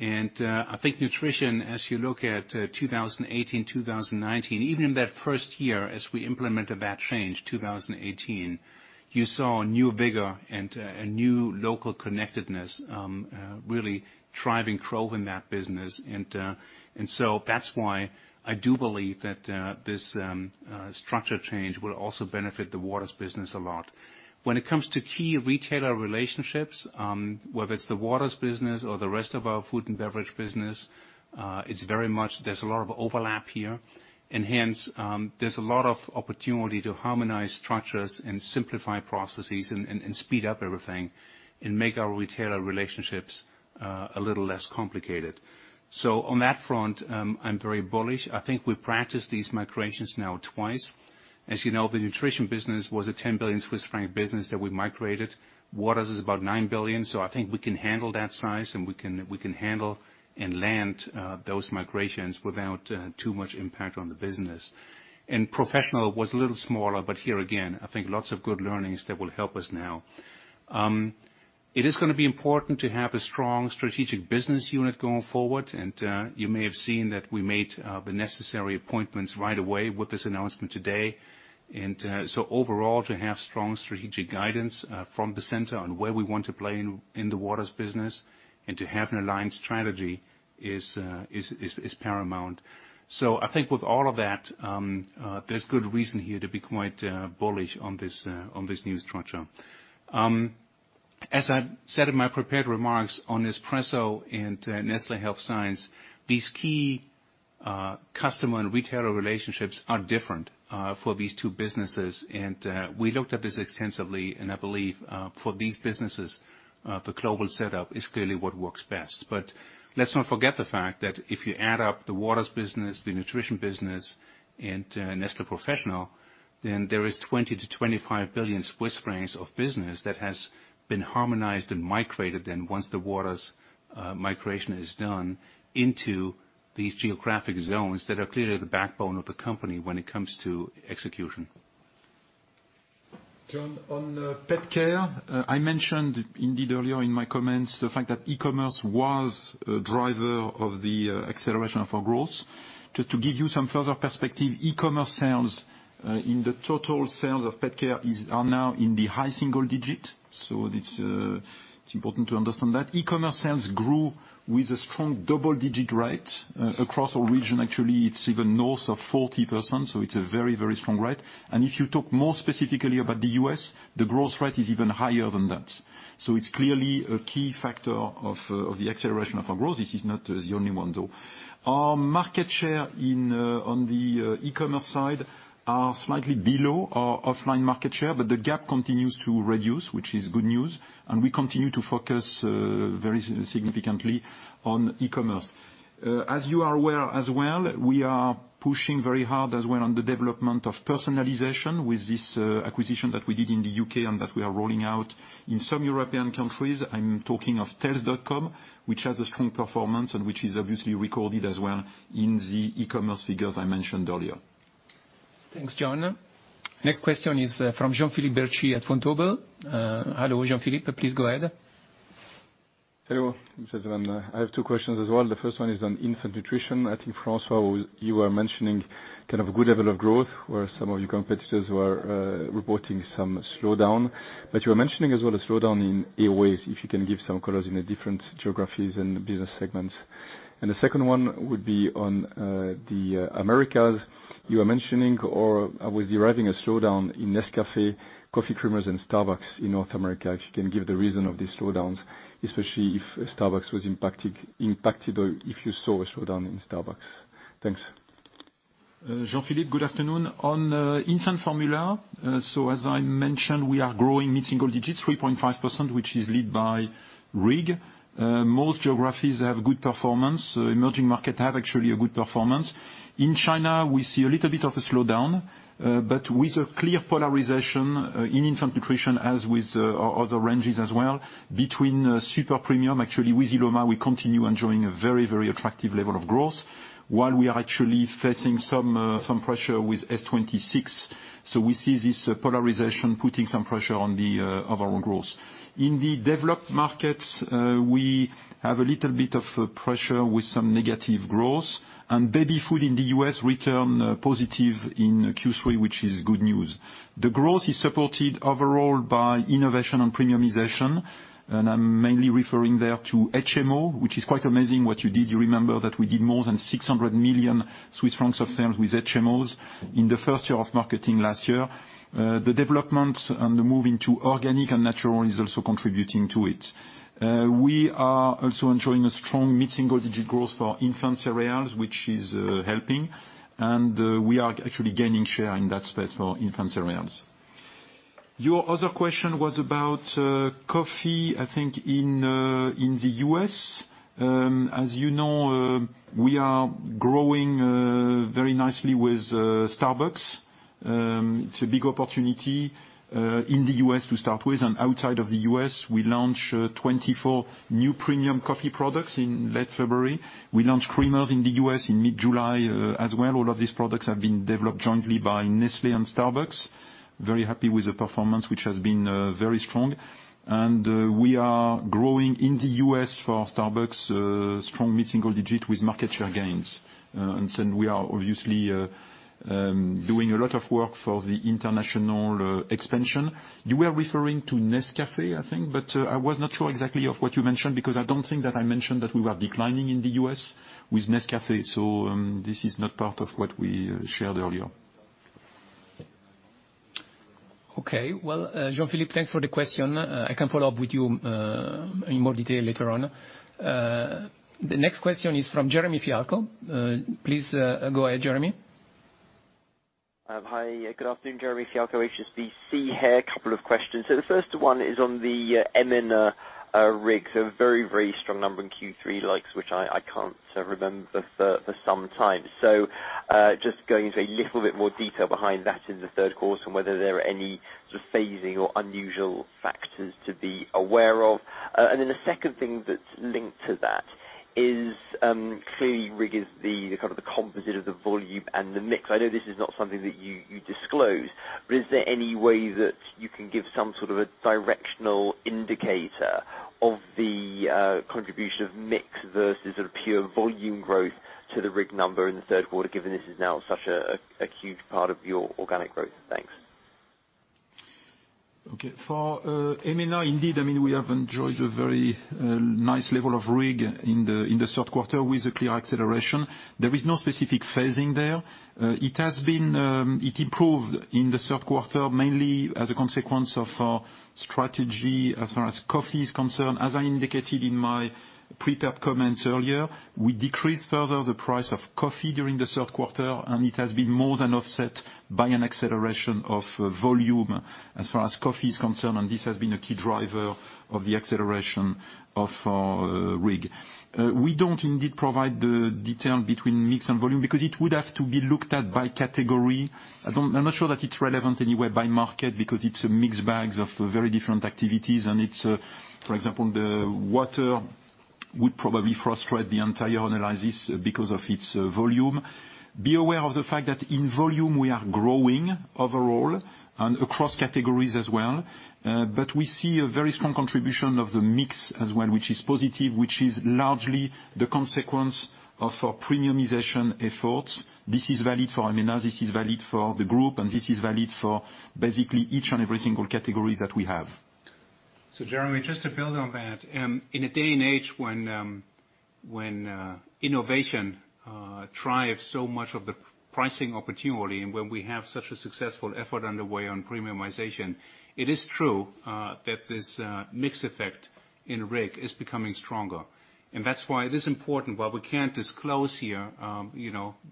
Nutrition, as you look at 2018, 2019, even in that first year as we implemented that change, 2018, you saw a new vigor and a new local connectedness really driving growth in that business. That's why I do believe that this structure change will also benefit the Waters business a lot. When it comes to key retailer relationships, whether it's the Waters business or the rest of our food and beverage business, there's a lot of overlap here, and hence, there's a lot of opportunity to harmonize structures and simplify processes and speed up everything and make our retailer relationships a little less complicated. On that front, I'm very bullish. I think we've practiced these migrations now twice. As you know, the Nutrition business was a 10 billion Swiss franc business that we migrated. Waters is about 9 billion, I think we can handle that size, and we can handle and land those migrations without too much impact on the business. Professional was a little smaller, but here again, I think lots of good learnings that will help us now. It is going to be important to have a strong strategic business unit going forward, and you may have seen that we made the necessary appointments right away with this announcement today. Overall, to have strong strategic guidance from the center on where we want to play in the Waters business and to have an aligned strategy is paramount. I think with all of that, there's good reason here to be quite bullish on this new structure. As I said in my prepared remarks on Nespresso and Nestlé Health Science, these key customer and retailer relationships are different for these two businesses. We looked at this extensively, and I believe for these businesses, the global setup is clearly what works best. Let's not forget the fact that if you add up the Waters business, the Nutrition business, and Nestlé Professional, there is 20 to 25 billion Swiss francs of business that has been harmonized and migrated, once the Waters migration is done into these geographic zones that are clearly the backbone of the company when it comes to execution. John, on pet care, I mentioned indeed earlier in my comments the fact that e-commerce was a driver of the acceleration of our growth. Just to give you some further perspective, e-commerce sales in the total sales of pet care are now in the high single-digit, so it is important to understand that. E-commerce sales grew with a strong double-digit rate across all regions. Actually, it is even north of 40%, so it is a very, very strong rate. If you talk more specifically about the U.S., the growth rate is even higher than that. It is clearly a key factor of the acceleration of our growth. This is not the only one, though. Our market share on the e-commerce side are slightly below our offline market share, but the gap continues to reduce, which is good news. We continue to focus very significantly on e-commerce. As you are aware as well, we are pushing very hard as well on the development of personalization with this acquisition that we did in the U.K. and that we are rolling out in some European countries. I'm talking of Tails.com, which has a strong performance and which is obviously recorded as well in the e-commerce figures I mentioned earlier. Thanks, John. Next question is from Jean-Philippe Bertschy at Vontobel. Hello, Jean-Philippe. Please go ahead. Hello. I have two questions as well. The first one is on infant nutrition. I think, François, you were mentioning kind of a good level of growth, where some of your competitors were reporting some slowdown. You were mentioning as well a slowdown in AOA. If you can give some colors in the different geographies and business segments. The second one would be on the Americas. You were mentioning, or I was deriving a slowdown in Nescafé coffee creamers and Starbucks in North America. If you can give the reason of this slowdown, especially if Starbucks was impacted, or if you saw a slowdown in Starbucks. Thanks. Jean-Philippe, good afternoon. On infant formula, as I mentioned, we are growing mid-single digits, 3.5%, which is led by RIG. Most geographies have good performance. Emerging market have actually a good performance. In China, we see a little bit of a slowdown, but with a clear polarization in infant nutrition as with our other ranges as well, between super premium, actually with Illuma, we continue enjoying a very, very attractive level of growth while we are actually facing some pressure with S-26. We see this polarization putting some pressure on the overall growth. In the developed markets, we have a little bit of pressure with some negative growth, and baby food in the U.S. returned positive in Q3, which is good news. The growth is supported overall by innovation and premiumization, and I'm mainly referring there to HMO, which is quite amazing what you did. You remember that we did more than 600 million Swiss francs of sales with HMOs in the first year of marketing last year. The development and the move into organic and natural is also contributing to it. We are also enjoying a strong mid-single digit growth for infant cereals, which is helping, and we are actually gaining share in that space for infant cereals. Your other question was about coffee, I think in the U.S. As you know, we are growing very nicely with Starbucks. It's a big opportunity in the U.S. to start with. Outside of the U.S., we launch 24 new premium coffee products in late February. We launch creamers in the U.S. in mid-July as well. All of these products have been developed jointly by Nestlé and Starbucks. Very happy with the performance, which has been very strong. We are growing in the U.S. for Starbucks, strong mid-single digit with market share gains. We are obviously doing a lot of work for the international expansion. You were referring to Nescafé, I think, but I was not sure exactly of what you mentioned because I don't think that I mentioned that we were declining in the U.S. with Nescafé. This is not part of what we shared earlier. Okay. Well, Jean-Philippe, thanks for the question. I can follow up with you in more detail later on. The next question is from Jeremy Fialko. Please go ahead, Jeremy. Hi. Good afternoon. Jeremy Fialko, HSBC here. Couple of questions. The first one is on the EMENA RIG. Very strong number in Q3, likes which I can't remember for some time. Going into a little bit more detail behind that in the third quarter, and whether there are any sort of phasing or unusual factors to be aware of. The second thing that's linked to that is, clearly RIG is the composite of the volume and the mix. I know this is not something that you disclose, is there any way that you can give some sort of a directional indicator of the contribution of mix versus pure volume growth to the RIG number in the third quarter, given this is now such a huge part of your organic growth? Thanks. Okay. For EMENA, indeed, we have enjoyed a very nice level of RIG in the third quarter with a clear acceleration. There is no specific phasing there. It improved in the third quarter, mainly as a consequence of our strategy as far as coffee is concerned. As I indicated in my prepared comments earlier, we decreased further the price of coffee during the third quarter, and it has been more than offset by an acceleration of volume as far as coffee is concerned, and this has been a key driver of the acceleration of our RIG. We don't indeed provide the detail between mix and volume because it would have to be looked at by category. I'm not sure that it's relevant anywhere by market because it's a mixed bags of very different activities, and for example, the water would probably frustrate the entire analysis because of its volume. Be aware of the fact that in volume, we are growing overall and across categories as well. We see a very strong contribution of the mix as well, which is positive, which is largely the consequence of our premiumization efforts. This is valid for EMENA, this is valid for the group, and this is valid for basically each and every single categories that we have. Jeremy, just to build on that. In a day and age when innovation drives so much of the pricing opportunity and when we have such a successful effort underway on premiumization, it is true that this mix effect in RIG is becoming stronger. That's why it is important, while we can't disclose here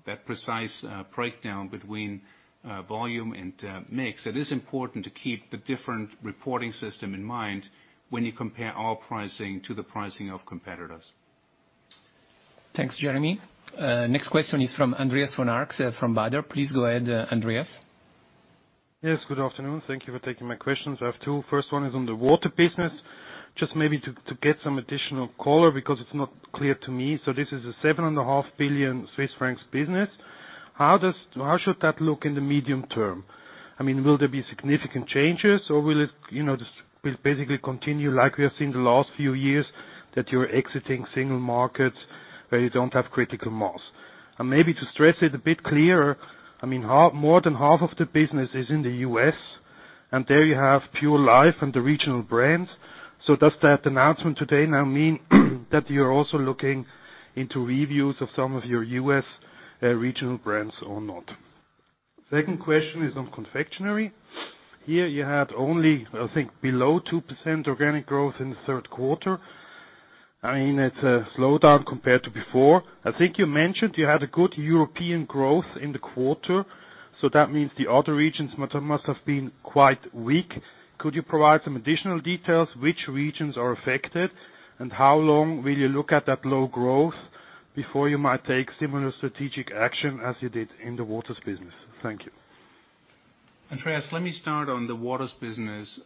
that precise breakdown between volume and mix, it is important to keep the different reporting system in mind when you compare our pricing to the pricing of competitors. Thanks, Jeremy. Next question is from Andreas von Arx from Baader. Please go ahead, Andreas. Yes, good afternoon. Thank you for taking my questions. I have two. First one is on the water business. Just maybe to get some additional color because it's not clear to me. This is a seven and a half billion CHF business. How should that look in the medium term? Will there be significant changes or will it just basically continue like we have seen the last few years that you're exiting single markets where you don't have critical mass? Maybe to stress it a bit clearer, more than half of the business is in the U.S., and there you have Nestlé Pure Life and the regional brands. Does that announcement today now mean that you're also looking into reviews of some of your U.S. regional brands or not? Second question is on confectionery. Here, you had only, I think, below 2% organic growth in the third quarter. It's a slowdown compared to before. I think you mentioned you had a good European growth in the quarter. That means the other regions must have been quite weak. Could you provide some additional details which regions are affected, and how long will you look at that low growth before you might take similar strategic action as you did in the Waters business? Thank you. Andreas, let me start on the waters business.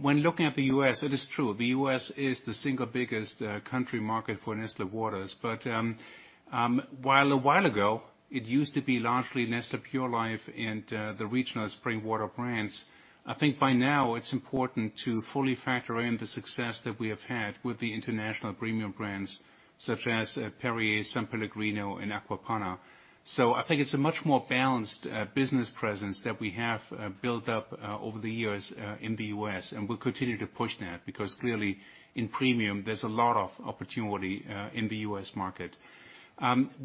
When looking at the U.S., it is true, the U.S. is the single biggest country market for Nestlé Waters. While a while ago, it used to be largely Nestlé Pure Life and the regional spring water brands. I think by now it's important to fully factor in the success that we have had with the international premium brands such as Perrier, S.Pellegrino, and Acqua Panna. I think it's a much more balanced business presence that we have built up over the years in the U.S., and we'll continue to push that because clearly in premium, there's a lot of opportunity in the U.S. market.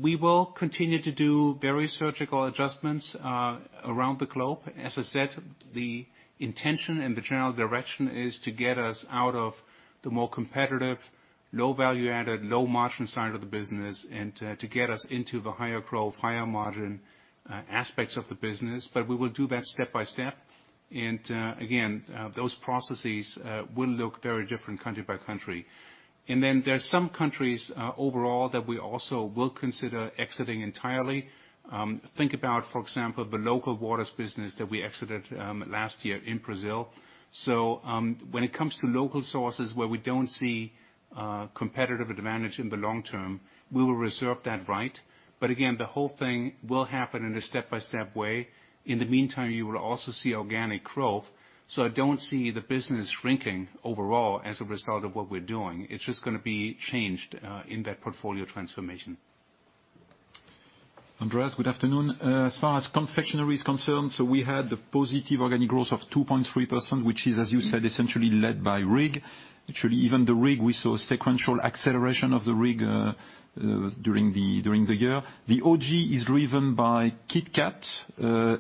We will continue to do very surgical adjustments around the globe. As I said, the intention and the general direction is to get us out of the more competitive, low value-added, low margin side of the business and to get us into the higher growth, higher margin aspects of the business. We will do that step by step. Again, those processes will look very different country by country. There are some countries overall that we also will consider exiting entirely. Think about, for example, the local waters business that we exited last year in Brazil. When it comes to local sources where we don't see competitive advantage in the long term, we will reserve that right. Again, the whole thing will happen in a step-by-step way. In the meantime, you will also see organic growth. I don't see the business shrinking overall as a result of what we're doing. It's just going to be changed in that portfolio transformation. Andreas, good afternoon. As far as confectionery is concerned, we had the positive organic growth of 2.3%, which is, as you said, essentially led by RIG. Actually, even the RIG, we saw sequential acceleration of the RIG during the year. The OG is driven by KitKat,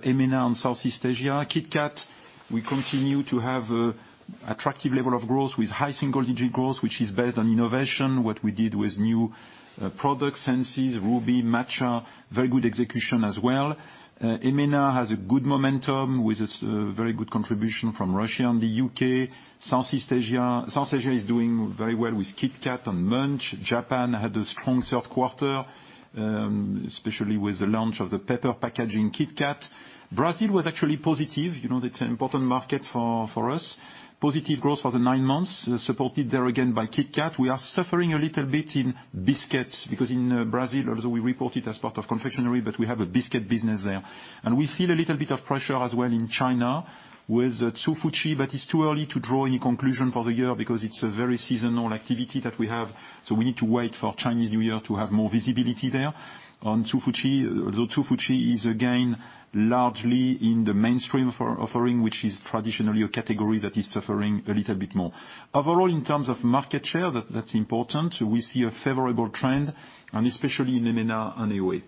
MENA, and Southeast Asia. KitKat, we continue to have attractive level of growth with high single-digit growth, which is based on innovation. What we did with new products, Senses, Ruby, Matcha, very good execution as well. MENA has a good momentum with a very good contribution from Russia and the U.K. South Asia is doing very well with KitKat and Munch. Japan had a strong third quarter, especially with the launch of the paper packaging KitKat. Brazil was actually positive. It's an important market for us. Positive growth for the nine months, supported there again by KitKat. We are suffering a little bit in biscuits because in Brazil, although we report it as part of confectionery, but we have a biscuit business there. We feel a little bit of pressure as well in China with Hsu Fu Chi, but it's too early to draw any conclusion for the year because it's a very seasonal activity that we have. We need to wait for Chinese New Year to have more visibility there. On Hsu Fu Chi, although Hsu Fu Chi is again largely in the mainstream for offering, which is traditionally a category that is suffering a little bit more. Overall, in terms of market share, that's important. We see a favorable trend and especially in EMENA and AOA.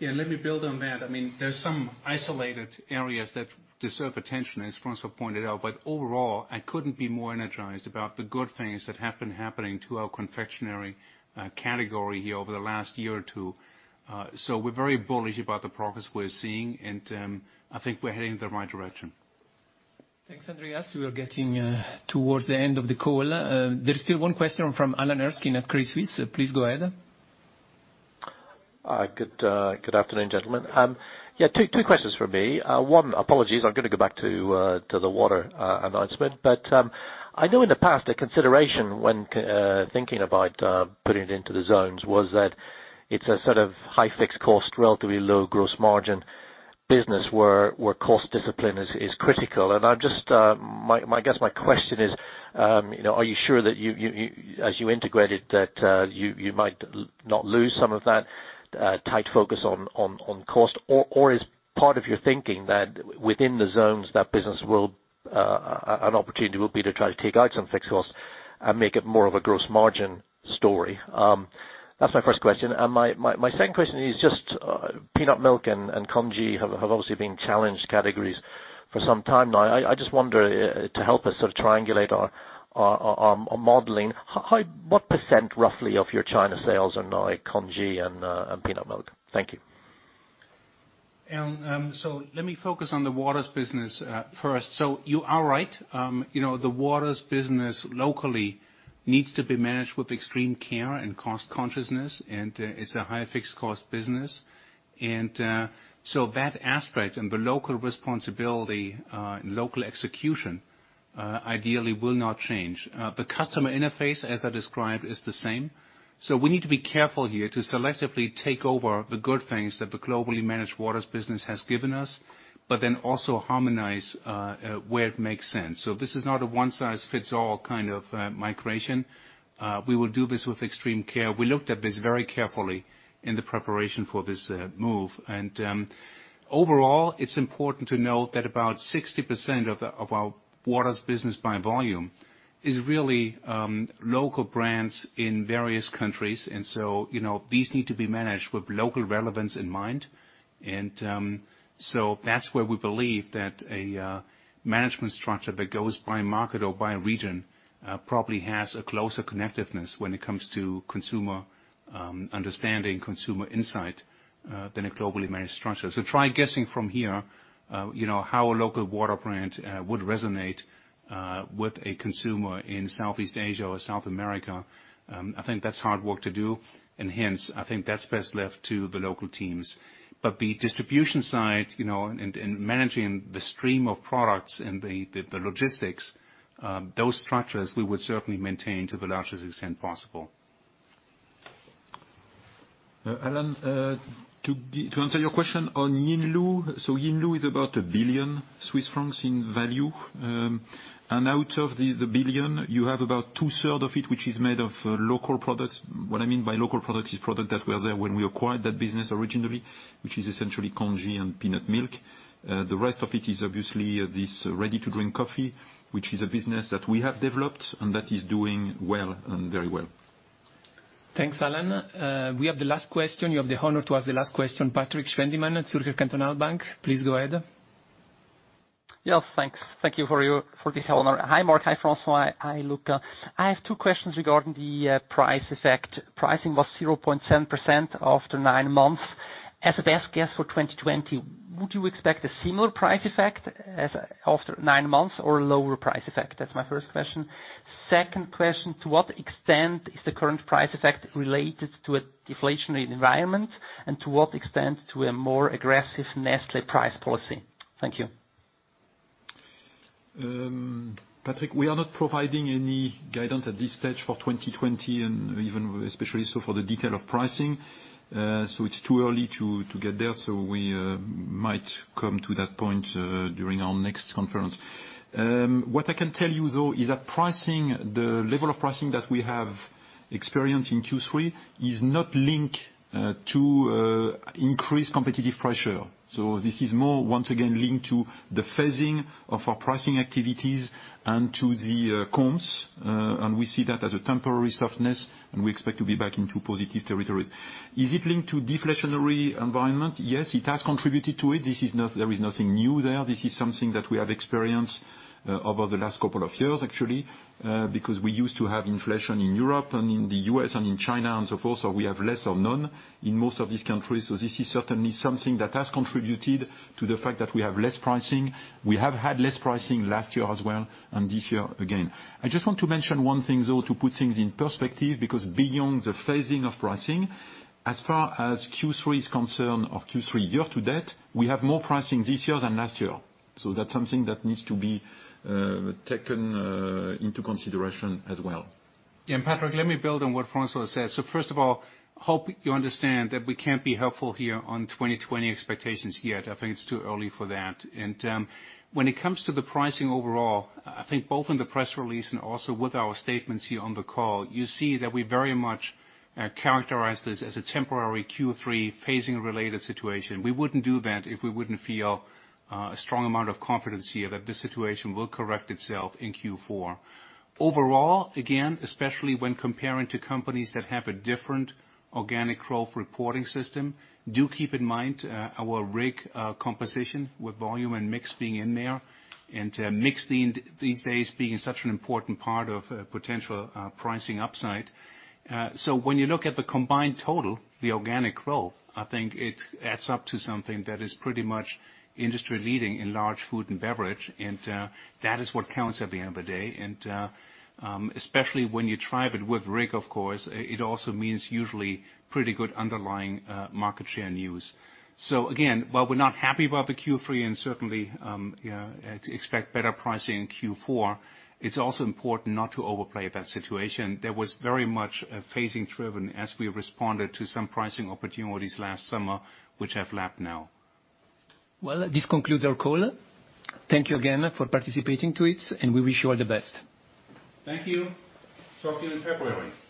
Yeah, let me build on that. There's some isolated areas that deserve attention, as François pointed out. Overall, I couldn't be more energized about the good things that have been happening to our confectionery category here over the last year or two. We're very bullish about the progress we're seeing, and I think we're heading in the right direction. Thanks, Andreas. We are getting towards the end of the call. There is still one question from Alan Erskine at Credit Suisse. Please go ahead. Good afternoon, gentlemen. two questions from me. One, apologies, I'm going to go back to the water announcement. I know in the past, a consideration when thinking about putting it into the zones was that it's a sort of high fixed cost, relatively low gross margin business where cost discipline is critical. I guess my question is, are you sure that as you integrate it, that you might not lose some of that tight focus on cost? Is part of your thinking that within the zones, that business an opportunity will be to try to take out some fixed costs and make it more of a gross margin story? That's my first question. My second question is just peanut milk and congee have obviously been challenged categories for some time now. I just wonder to help us sort of triangulate our modeling, what % roughly of your China sales are now congee and peanut milk? Thank you. Let me focus on the waters business first. You are right. The waters business locally needs to be managed with extreme care and cost consciousness, and it's a high fixed cost business. That aspect and the local responsibility, local execution, ideally will not change. The customer interface, as I described, is the same. We need to be careful here to selectively take over the good things that the globally managed waters business has given us, but then also harmonize where it makes sense. This is not a one size fits all kind of migration. We will do this with extreme care. We looked at this very carefully in the preparation for this move. Overall, it's important to note that about 60% of our waters business by volume is really local brands in various countries. These need to be managed with local relevance in mind. That's where we believe that a management structure that goes by market or by region probably has a closer connectiveness when it comes to consumer understanding, consumer insight, than a globally managed structure. Try guessing from here how a local water brand would resonate with a consumer in Southeast Asia or South America. I think that's hard work to do, and hence, I think that's best left to the local teams. The distribution side, and managing the stream of products and the logistics, those structures we would certainly maintain to the largest extent possible. Alan, to answer your question on Yinlu. Yinlu is about 1 billion Swiss francs in value. Out of the billion, you have about two-third of it, which is made of local products. What I mean by local products is product that were there when we acquired that business originally, which is essentially congee and peanut milk. The rest of it is obviously this ready-to-drink coffee, which is a business that we have developed and that is doing well, very well. Thanks, Alan. We have the last question. You have the honor to ask the last question, Patrik Schwendimann at Zürcher Kantonalbank. Please go ahead. Yes, Thanks. Thank you for this honor. Hi, Mark. Hi, François. Hi, Luca. I have two questions regarding the price effect. Pricing was 0.7% after nine months. As a best guess for 2020, would you expect a similar price effect after nine months, or a lower price effect? That's my first question. Second question, to what extent is the current price effect related to a deflationary environment, and to what extent to a more aggressive Nestlé price policy? Thank you. Patrik, we are not providing any guidance at this stage for 2020, even especially so for the detail of pricing. It's too early to get there. We might come to that point during our next conference. What I can tell you, though, is that the level of pricing that we have experienced in Q3 is not linked to increased competitive pressure. This is more, once again, linked to the phasing of our pricing activities and to the comms. We see that as a temporary softness, and we expect to be back into positive territories. Is it linked to deflationary environment? Yes, it has contributed to it. There is nothing new there. This is something that we have experienced over the last couple of years actually, because we used to have inflation in Europe and in the U.S. and in China and so forth, we have less or none in most of these countries. This is certainly something that has contributed to the fact that we have less pricing. We have had less pricing last year as well, and this year again. I just want to mention one thing, though, to put things in perspective, because beyond the phasing of pricing, as far as Q3 is concerned or Q3 year to date, we have more pricing this year than last year. That's something that needs to be taken into consideration as well. Patrik, let me build on what François said. First of all, hope you understand that we can't be helpful here on 2020 expectations yet. I think it's too early for that. When it comes to the pricing overall, I think both in the press release and also with our statements here on the call, you see that we very much characterize this as a temporary Q3 phasing-related situation. We wouldn't do that if we wouldn't feel a strong amount of confidence here that this situation will correct itself in Q4. Overall, again, especially when comparing to companies that have a different organic growth reporting system, do keep in mind our RIG composition with volume and mix being in there, and mix these days being such an important part of potential pricing upside. When you look at the combined total, the organic growth, I think it adds up to something that is pretty much industry-leading in large food and beverage, and that is what counts at the end of the day. Especially when you drive it with RIG, of course, it also means usually pretty good underlying market share news. Again, while we're not happy about the Q3 and certainly expect better pricing in Q4, it's also important not to overplay that situation. That was very much phasing driven as we responded to some pricing opportunities last summer, which have lapped now. Well, this concludes our call. Thank you again for participating to it, and we wish you all the best. Thank you. Talk to you in February.